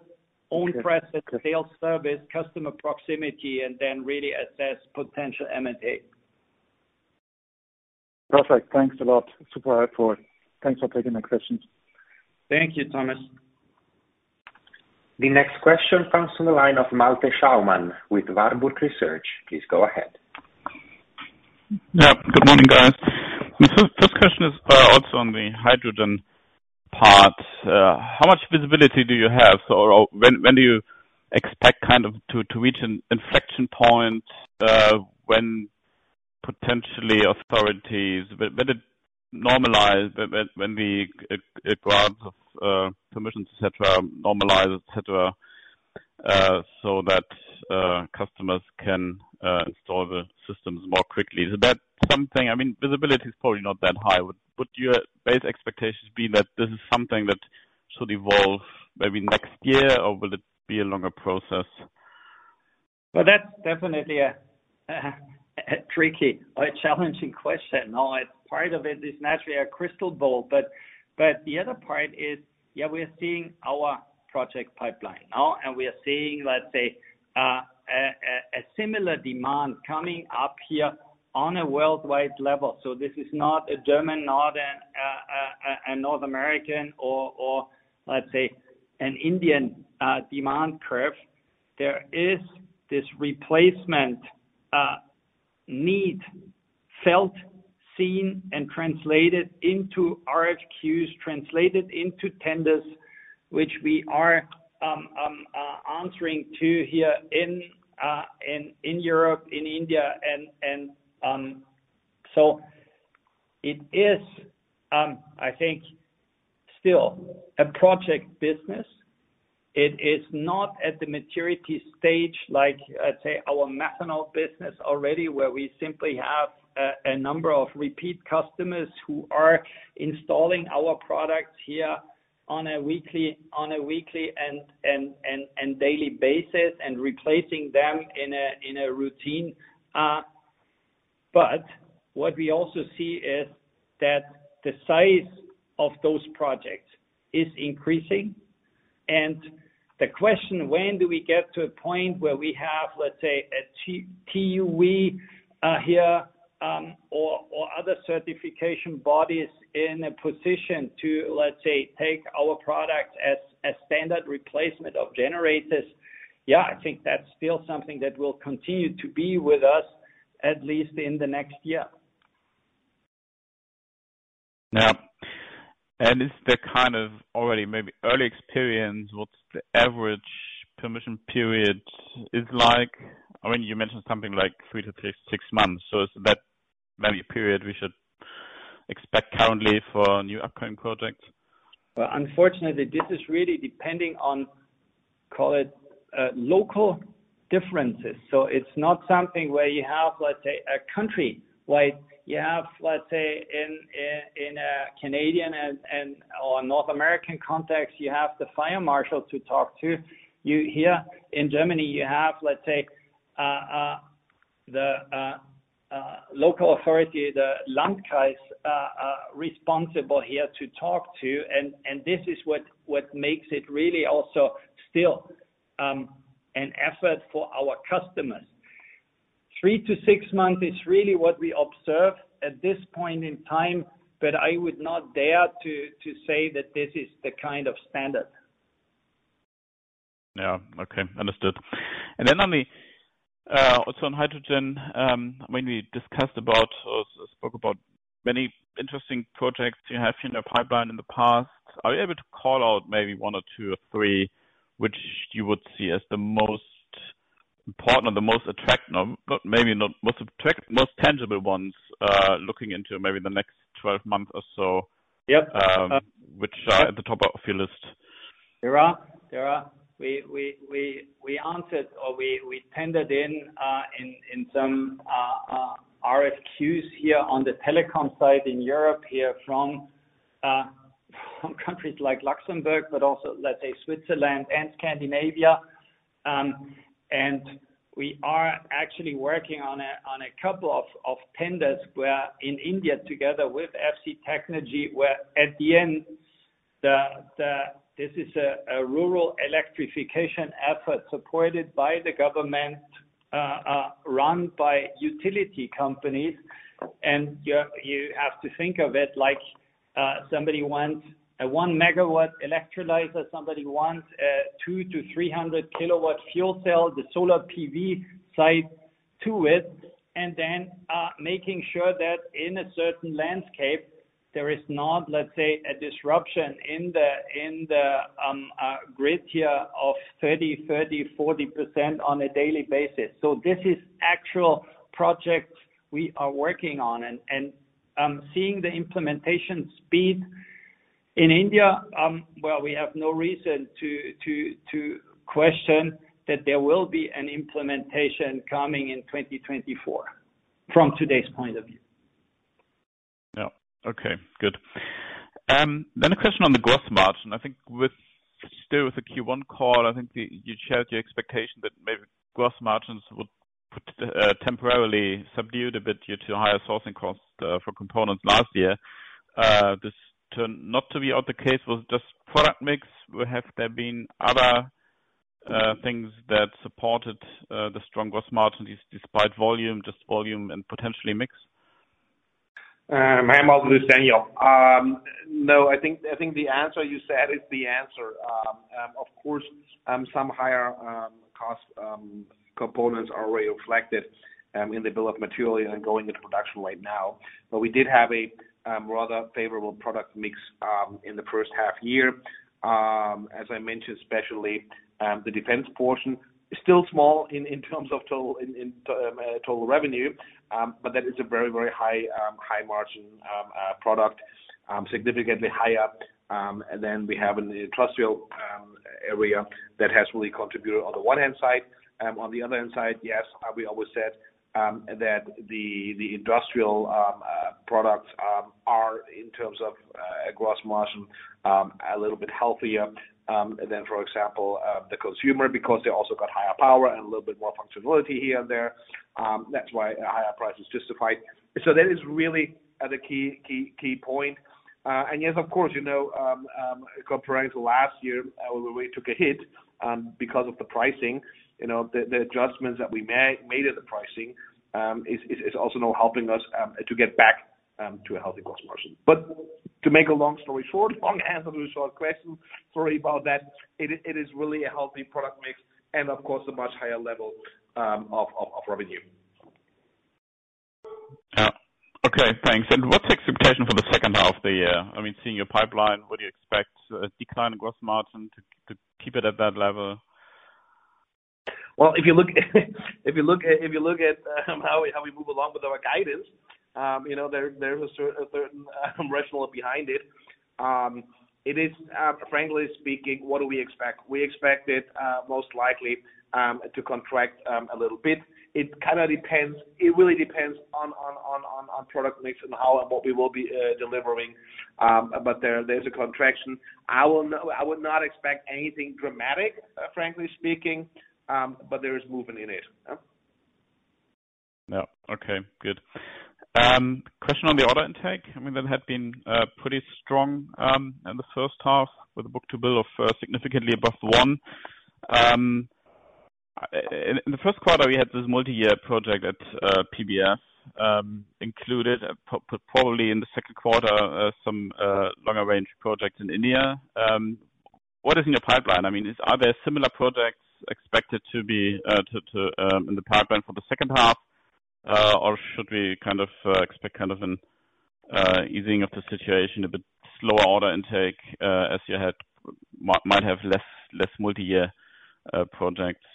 own presence, sales, service, customer proximity, and then really assess potential M&A. Perfect. Thanks a lot. Super helpful. Thanks for taking my questions. Thank you, Thomas. The next question comes from the line of Malte Schaumann with Warburg Research. Please go ahead. Yeah. Good morning, guys. The first, first question is, also on the hydrogen part. How much visibility do you have, or when, when do you expect kind of to reach an inflection point, when potentially authorities, when it normalize, when the grants of permissions, et cetera, normalize, et cetera, so that customers can install the systems more quickly? Is that something? I mean, visibility is probably not that high. Would your base expectations be that this is something that should evolve maybe next year, or will it be a longer process? Well, that's definitely a tricky or a challenging question. Part of it is naturally a crystal ball, but the other part is, yeah, we are seeing our project pipeline. We are seeing a similar demand coming up here on a worldwide level. This is not a German, not a North American or, let's say, an Indian demand curve. There is this replacement need, felt, seen, and translated into RFQs, translated into tenders, which we are answering to here in Europe, in India. So it is, I think, still a project business. It is not at the maturity stage, like, let's say, our methanol business already, where we simply have a, a number of repeat customers who are installing our products here on a weekly, on a weekly and, and, and, and daily basis, and replacing them in a, in a routine. What we also see is that the size of those projects is increasing, and the question, when do we get to a point where we have, let's say, a TÜV here, or, or other certification bodies in a position to, let's say, take our product as, a standard replacement of generators? Yeah, I think that's still something that will continue to be with us, at least in the next year. Yeah. Is the kind of already maybe early experience, what's the average permission period is like? I mean, you mentioned something like 3-6, 6 months, so is that maybe a period we should expect currently for new upcoming projects? Well, unfortunately, this is really depending on, call it, local differences. It's not something where you have, let's say, a country, like you have, let's say, in, in, in a Canadian and/or North American context, you have the fire marshal to talk to. You here in Germany, you have, let's say, the local authority, the Landkreise, responsible here to talk to, and this is what makes it really also still an effort for our customers. Three to six months is really what we observe at this point in time, but I would not dare to say that this is the kind of standard. Yeah. Okay, understood. On the, also on hydrogen, when we discussed about or spoke about many interesting projects you have in your pipeline in the past, are you able to call out maybe one or two or three, which you would see as the most important or the most attractive, but maybe not most tangible ones, looking into maybe the next 12 months or so? Yep. Which are at the top of your list? There are, we answered or we tended in some RFQs here on the telecom side in Europe here from countries like Luxembourg, but also, let's say, Switzerland and Scandinavia. We are actually working on a couple of tenders, where in India, together with FC TecNrgy, where at the end, this is a rural electrification effort supported by the government, run by utility companies. You, you have to think of it like, somebody wants a 1-megawatt electrolyzer, somebody wants a 200-300 kilowatt fuel cell, the solar PV site to it, and then, making sure that in a certain landscape, there is not, let's say, a disruption in the, in the grid here of 30%, 30%, 40% on a daily basis. This is actual projects we are working on and, and, seeing the implementation speed... In India, well, we have no reason to, to, to question that there will be an implementation coming in 2024, from today's point of view. Yeah. Okay, good. A question on the gross margin. I think with, still with the Q1 call, I think you, you shared your expectation that maybe gross margins would put temporarily subdued a bit due to higher sourcing costs for components last year. This turned not to be out the case, was just product mix. Have there been other things that supported the strong gross margin, despite volume, just volume and potentially mix? I am also Daniel. No, I think, I think the answer you said is the answer. Of course, some higher cost components are already reflected in the bill of material and going into production right now. We did have a rather favorable product mix in the first half year. As I mentioned, especially, the defense portion is still small in terms of total, in total revenue, but that is a very, very high, high margin product, significantly higher. And then we have in the industrial area that has really contributed on the one hand side. On the other hand side, yes, we always said that the industrial products are in terms of gross margin a little bit healthier than, for example, the consumer, because they also got higher power and a little bit more functionality here and there. That's why a higher price is justified. That is really the key, key, key point. Yes, of course, you know, comparing to last year, we took a hit because of the pricing. You know, the adjustments that we made at the pricing is also now helping us to get back to a healthy gross margin. To make a long story short, long answer to a short question, sorry about that. It is, it is really a healthy product mix and of course, a much higher level of revenue. Yeah. Okay, thanks. What's the expectation for the second half of the year? I mean, seeing your pipeline, what do you expect, a decline in gross margin to, to keep it at that level? Well, if you look, if you look at, if you look at, how we, how we move along with our guidance, you know, there, there is a certain rationale behind it. It is, frankly speaking, what do we expect? We expect it, most likely, to contract a little bit. It really depends on product mix and how and what we will be delivering, but there, there's a contraction. I would not expect anything dramatic, frankly speaking, but there is movement in it. Yeah. Yeah. Okay, good. Question on the order intake. I mean, that had been pretty strong in the first half with a book-to-bill of significantly above 1. In the Q1, we had this multi-year project at BEL, included probably in the Q2, some longer-range projects in India. What is in your pipeline? I mean, are there similar projects expected to be to, to, in the pipeline for the second half? Should we kind of expect kind of an easing of the situation, a bit slower order intake, as you had, might have less, less multi-year projects?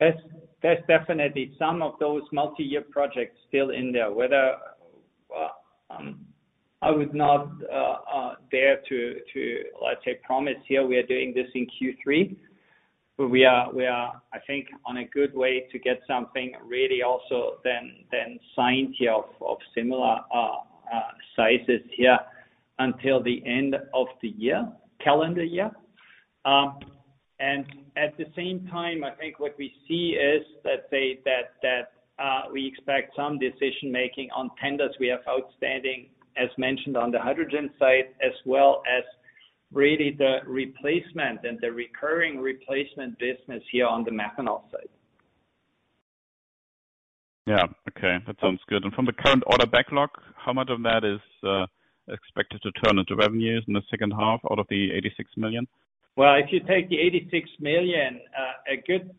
There's, there's definitely some of those multi-year projects still in there. Whether, I would not dare to, let's say, promise here, we are doing this in Q3, but we are, I think, on a good way to get something really also than signed here of similar sizes here until the end of the year, calendar year. At the same time, I think what we see is that we expect some decision making on tenders we have outstanding, as mentioned on the hydrogen side, as well as really the replacement and the recurring replacement business here on the methanol side. Yeah. Okay, that sounds good. From the current order backlog, how much of that is expected to turn into revenues in the second half out of the 86 million? Well, if you take the 86 million, a good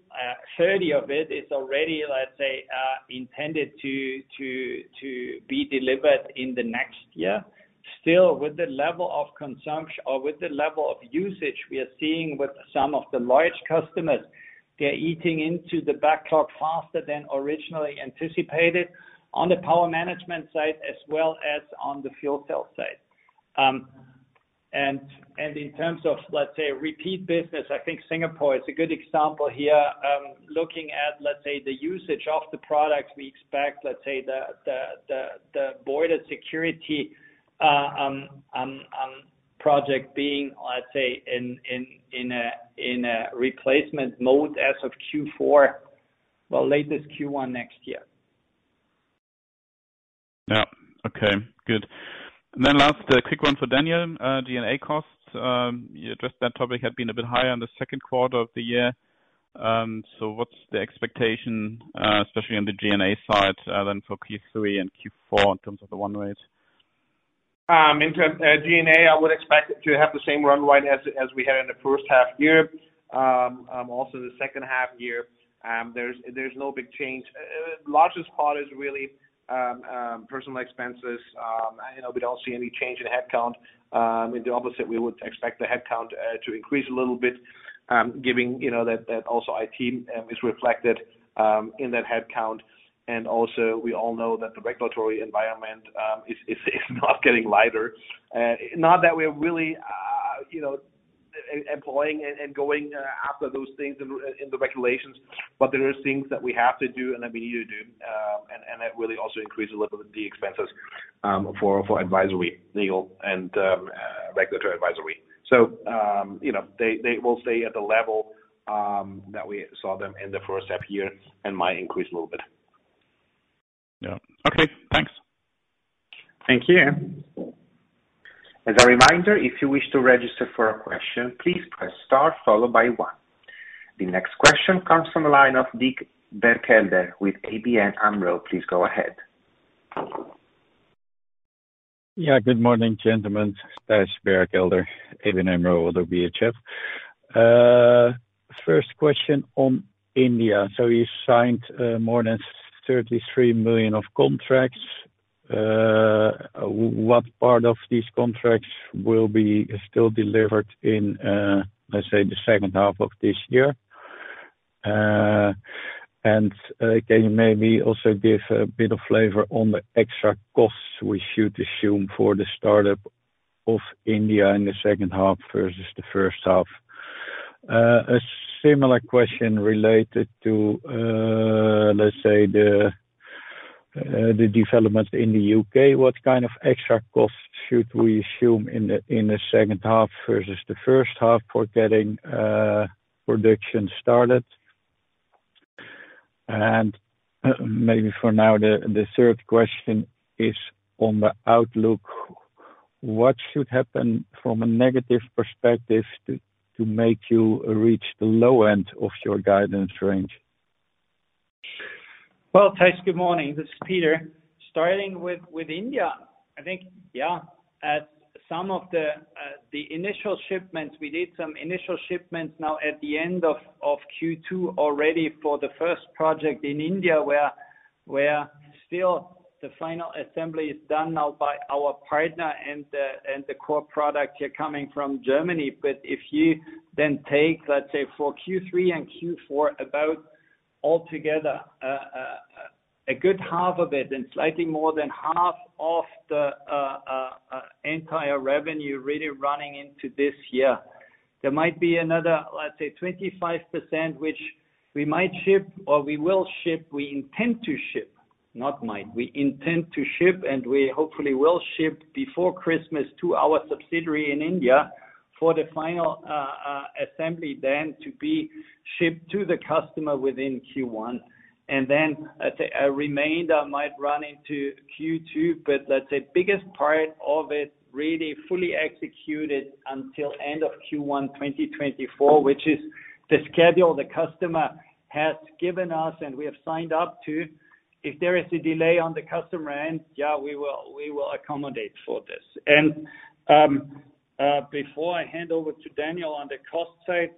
30 million of it is already, let's say, intended to, to, to be delivered in the next year. Still, with the level of consumption or with the level of usage we are seeing with some of the large customers, they're eating into the backlog faster than originally anticipated on the power management side, as well as on the fuel cell side. In terms of, let's say, repeat business, I think Singapore is a good example here. Looking at, let's say, the usage of the products, we expect, let's say, the, the, the, the border security project being, let's say, in, in, in a, in a replacement mode as of Q4, well, latest Q1 next year. Yeah. Okay, good. Then last, a quick one for Daniel. G&A costs, you addressed that topic had been a bit higher in the Q2 of the year. What's the expectation, especially on the G&A side, then for Q3 and Q4 in terms of the run rate? in term- G&A, I would expect to have the same run rate as, as we had in the first half year. also the second half year, there's, there's no big change. largest part is really personal expenses. you know, we don't see any change in headcount. in the opposite, we would expect the headcount to increase a little bit, giving, you know, that, that also IT is reflected in that headcount. Also, we all know that the regulatory environment is, is, is not getting lighter. not that we're really you know, e-employing and, and going after those things in, in the regulations. There are things that we have to do and that we need to do, and that really also increases a little bit the expenses, for advisory, legal, and regulatory advisory. You know, they will stay at the level that we saw them in the first half year and might increase a little bit. Yeah. Okay, thanks. Thank you. As a reminder, if you wish to register for a question, please press star followed by one. The next question comes from the line of Dick Berkelder with ABN AMRO. Please go ahead. Yeah, good morning, gentlemen. Berkelder, ABN AMRO, ODDO BHF. First question on India. You signed more than 33 million of contracts. What part of these contracts will be still delivered in, let's say, the second half of this year? Can you maybe also give a bit of flavor on the extra costs we should assume for the startup of India in the second half versus the first half? A similar question related to, let's say, the development in the UK. What kind of extra costs should we assume in the second half versus the first half for getting production started? Maybe for now, the third question is on the outlook. What should happen from a negative perspective to, to make you reach the low end of your guidance range? Well, good morning. This is Peter. Starting with, with India, I think, yeah, at some of the initial shipments, we did some initial shipments now at the end of Q2 already for the first project in India, where, where still the final assembly is done now by our partner, and the, and the core product here coming from Germany. If you then take, let's say, for Q3 and Q4, about altogether, a good half of it, and slightly more than half of the entire revenue really running into this year. There might be another, let's say, 25%, which we might ship or we will ship, we intend to ship, not might. We intend to ship, we hopefully will ship before Christmas to our subsidiary in India for the final assembly, then to be shipped to the customer within Q1. Then, let's say, a remainder might run into Q2, but that's the biggest part of it, really fully executed until end of Q1, 2024, which is the schedule the customer has given us and we have signed up to. If there is a delay on the customer end, yeah, we will, we will accommodate for this. Before I hand over to Daniel on the cost side,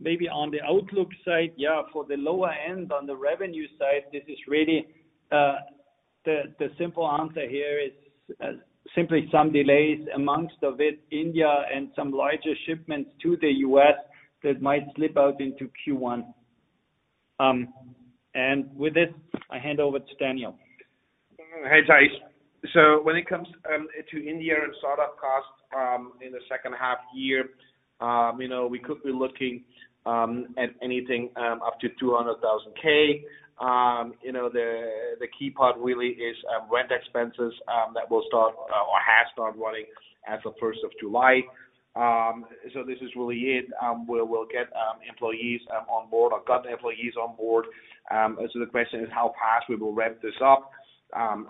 maybe on the outlook side, yeah, for the lower end, on the revenue side, this is really the simple answer here is simply some delays, amongst of it, India and some larger shipments to the US that might slip out into Q1. With this, I hand over to Daniel. Hey. When it comes to India and startup costs in the second half year, you know, we could be looking at anything up to 200,000. You know, the key part really is rent expenses that will start or have started running as of 1st of July. This is really it where we'll get employees on board or got employees on board. The question is how fast we will ramp this up.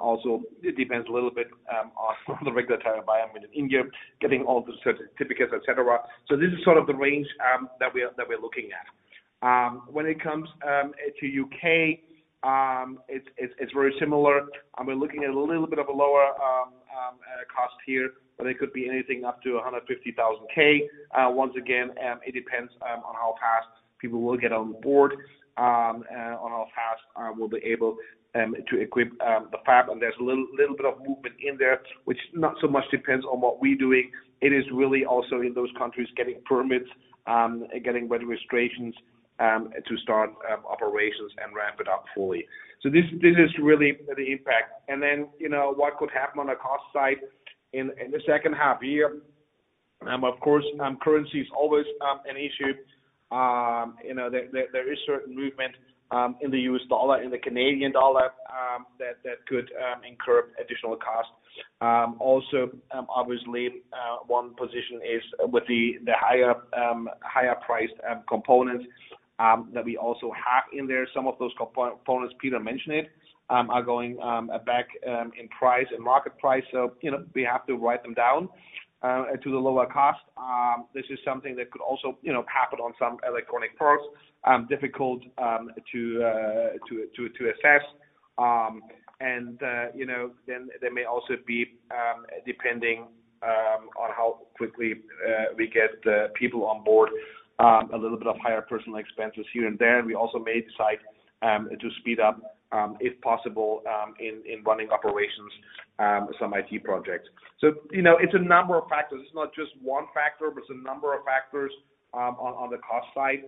Also, it depends a little bit on the regulatory environment in India, getting all the certificates, et cetera. This is sort of the range that we are, that we're looking at. When it comes to UK, it's, it's, it's very similar. We're looking at a little bit of a lower cost here, but it could be anything up to 150,000. Once again, it depends on how fast people will get on board, on how fast we'll be able to equip the fab. There's a little, little bit of movement in there, which not so much depends on what we doing. It is really also in those countries, getting permits and getting registrations to start operations and ramp it up fully. This, this is really the impact. Then, you know, what could happen on a cost side in the second half year? Of course, currency is always an issue. You know, there is certain movement, in the US dollar, in the Canadian dollar, that could incur additional costs. Also, obviously, one position is with the higher, higher-priced, components, that we also have in there. Some of those components Peter mentioned it, are going, back, in price and market price. You know, we have to write them down, to the lower cost. This is something that could also, you know, happen on some electronic first, difficult, to assess. You know, then there may also be, depending, on how quickly, we get, people on board, a little bit of higher personal expenses here and there. We also may decide to speed up, if possible, in, in running operations, some IT projects. You know, it's a number of factors. It's not just one factor, but it's a number of factors on, on the cost side,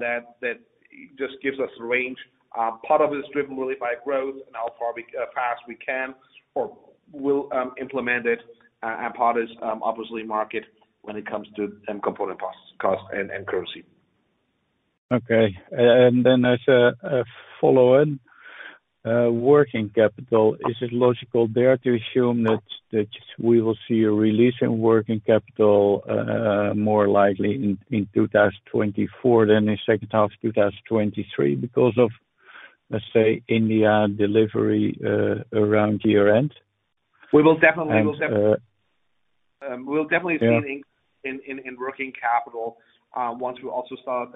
that, that. It just gives us a range. Part of it is driven really by growth and how far we fast we can or will implement it. Part is obviously market when it comes to end component costs, cost and, and currency. Okay. Then as a follow-on, working capital, is it logical there to assume that we will see a release in working capital, more likely in 2024 than in second half 2023, because of, let's say, India delivery, around year-end? We will definitely. We'll definitely see- Yeah... in, in, in working capital, once we also start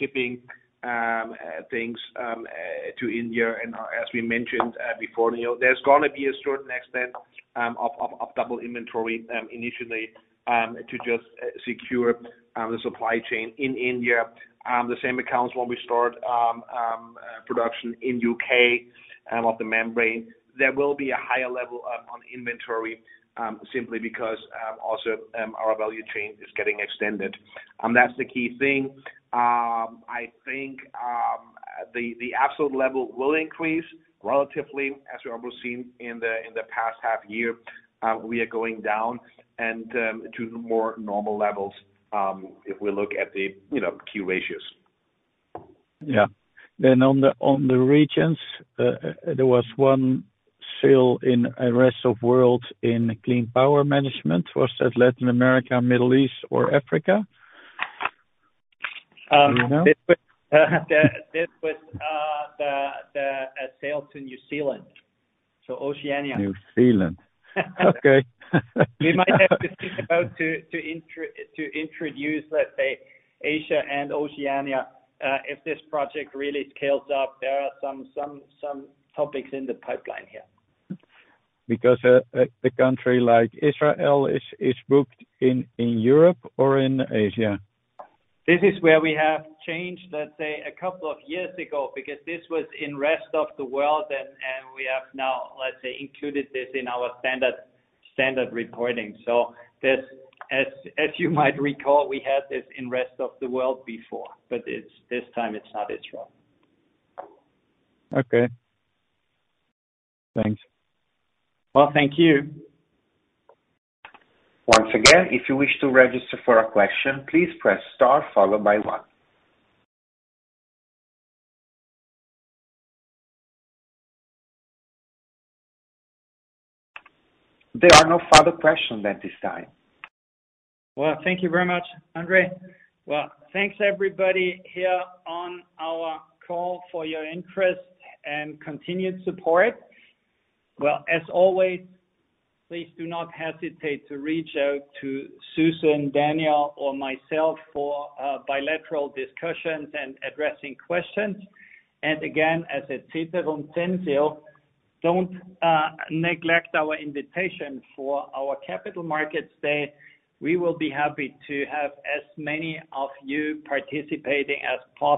shipping things to India. As we mentioned before, you know, there's gonna be a certain extent of double inventory initially to just secure the supply chain in India. The same accounts when we start production in UK of the membrane. There will be a higher level of, on inventory, simply because also our value chain is getting extended. That's the key thing. I think the absolute level will increase relatively, as we almost seen in the in the past half year. We are going down and to the more normal levels if we look at the, you know, key ratios. Yeah. On the, on the regions, there was one sale in a rest of world in Clean Power Management. Was that Latin America, Middle East or Africa? Do you know? This was the sale to New Zealand, so Oceania. New Zealand. Okay. We might have to think about to introduce, let's say, Asia and Oceania. If this project really scales up, there are some topics in the pipeline here. The country, like Israel, is booked in Europe or in Asia? This is where we have changed a couple of years ago, because this was in rest of the world, and we have now included this in our standard, standard reporting. This, as you might recall, we had this in rest of the world before, but this time it's not Israel. Okay. Thanks. Well, thank you. Once again, if you wish to register for a question, please press star followed by one. There are no further questions at this time. Well, thank you very much, Andre. Well, thanks everybody here on our call for your interest and continued support. Well, as always, please do not hesitate to reach out to Susan, Daniel, or myself for bilateral discussions and addressing questions. Again, as I said, Ceterum censeo, don't neglect our invitation for our capital markets day. We will be happy to have as many of you participating as possible.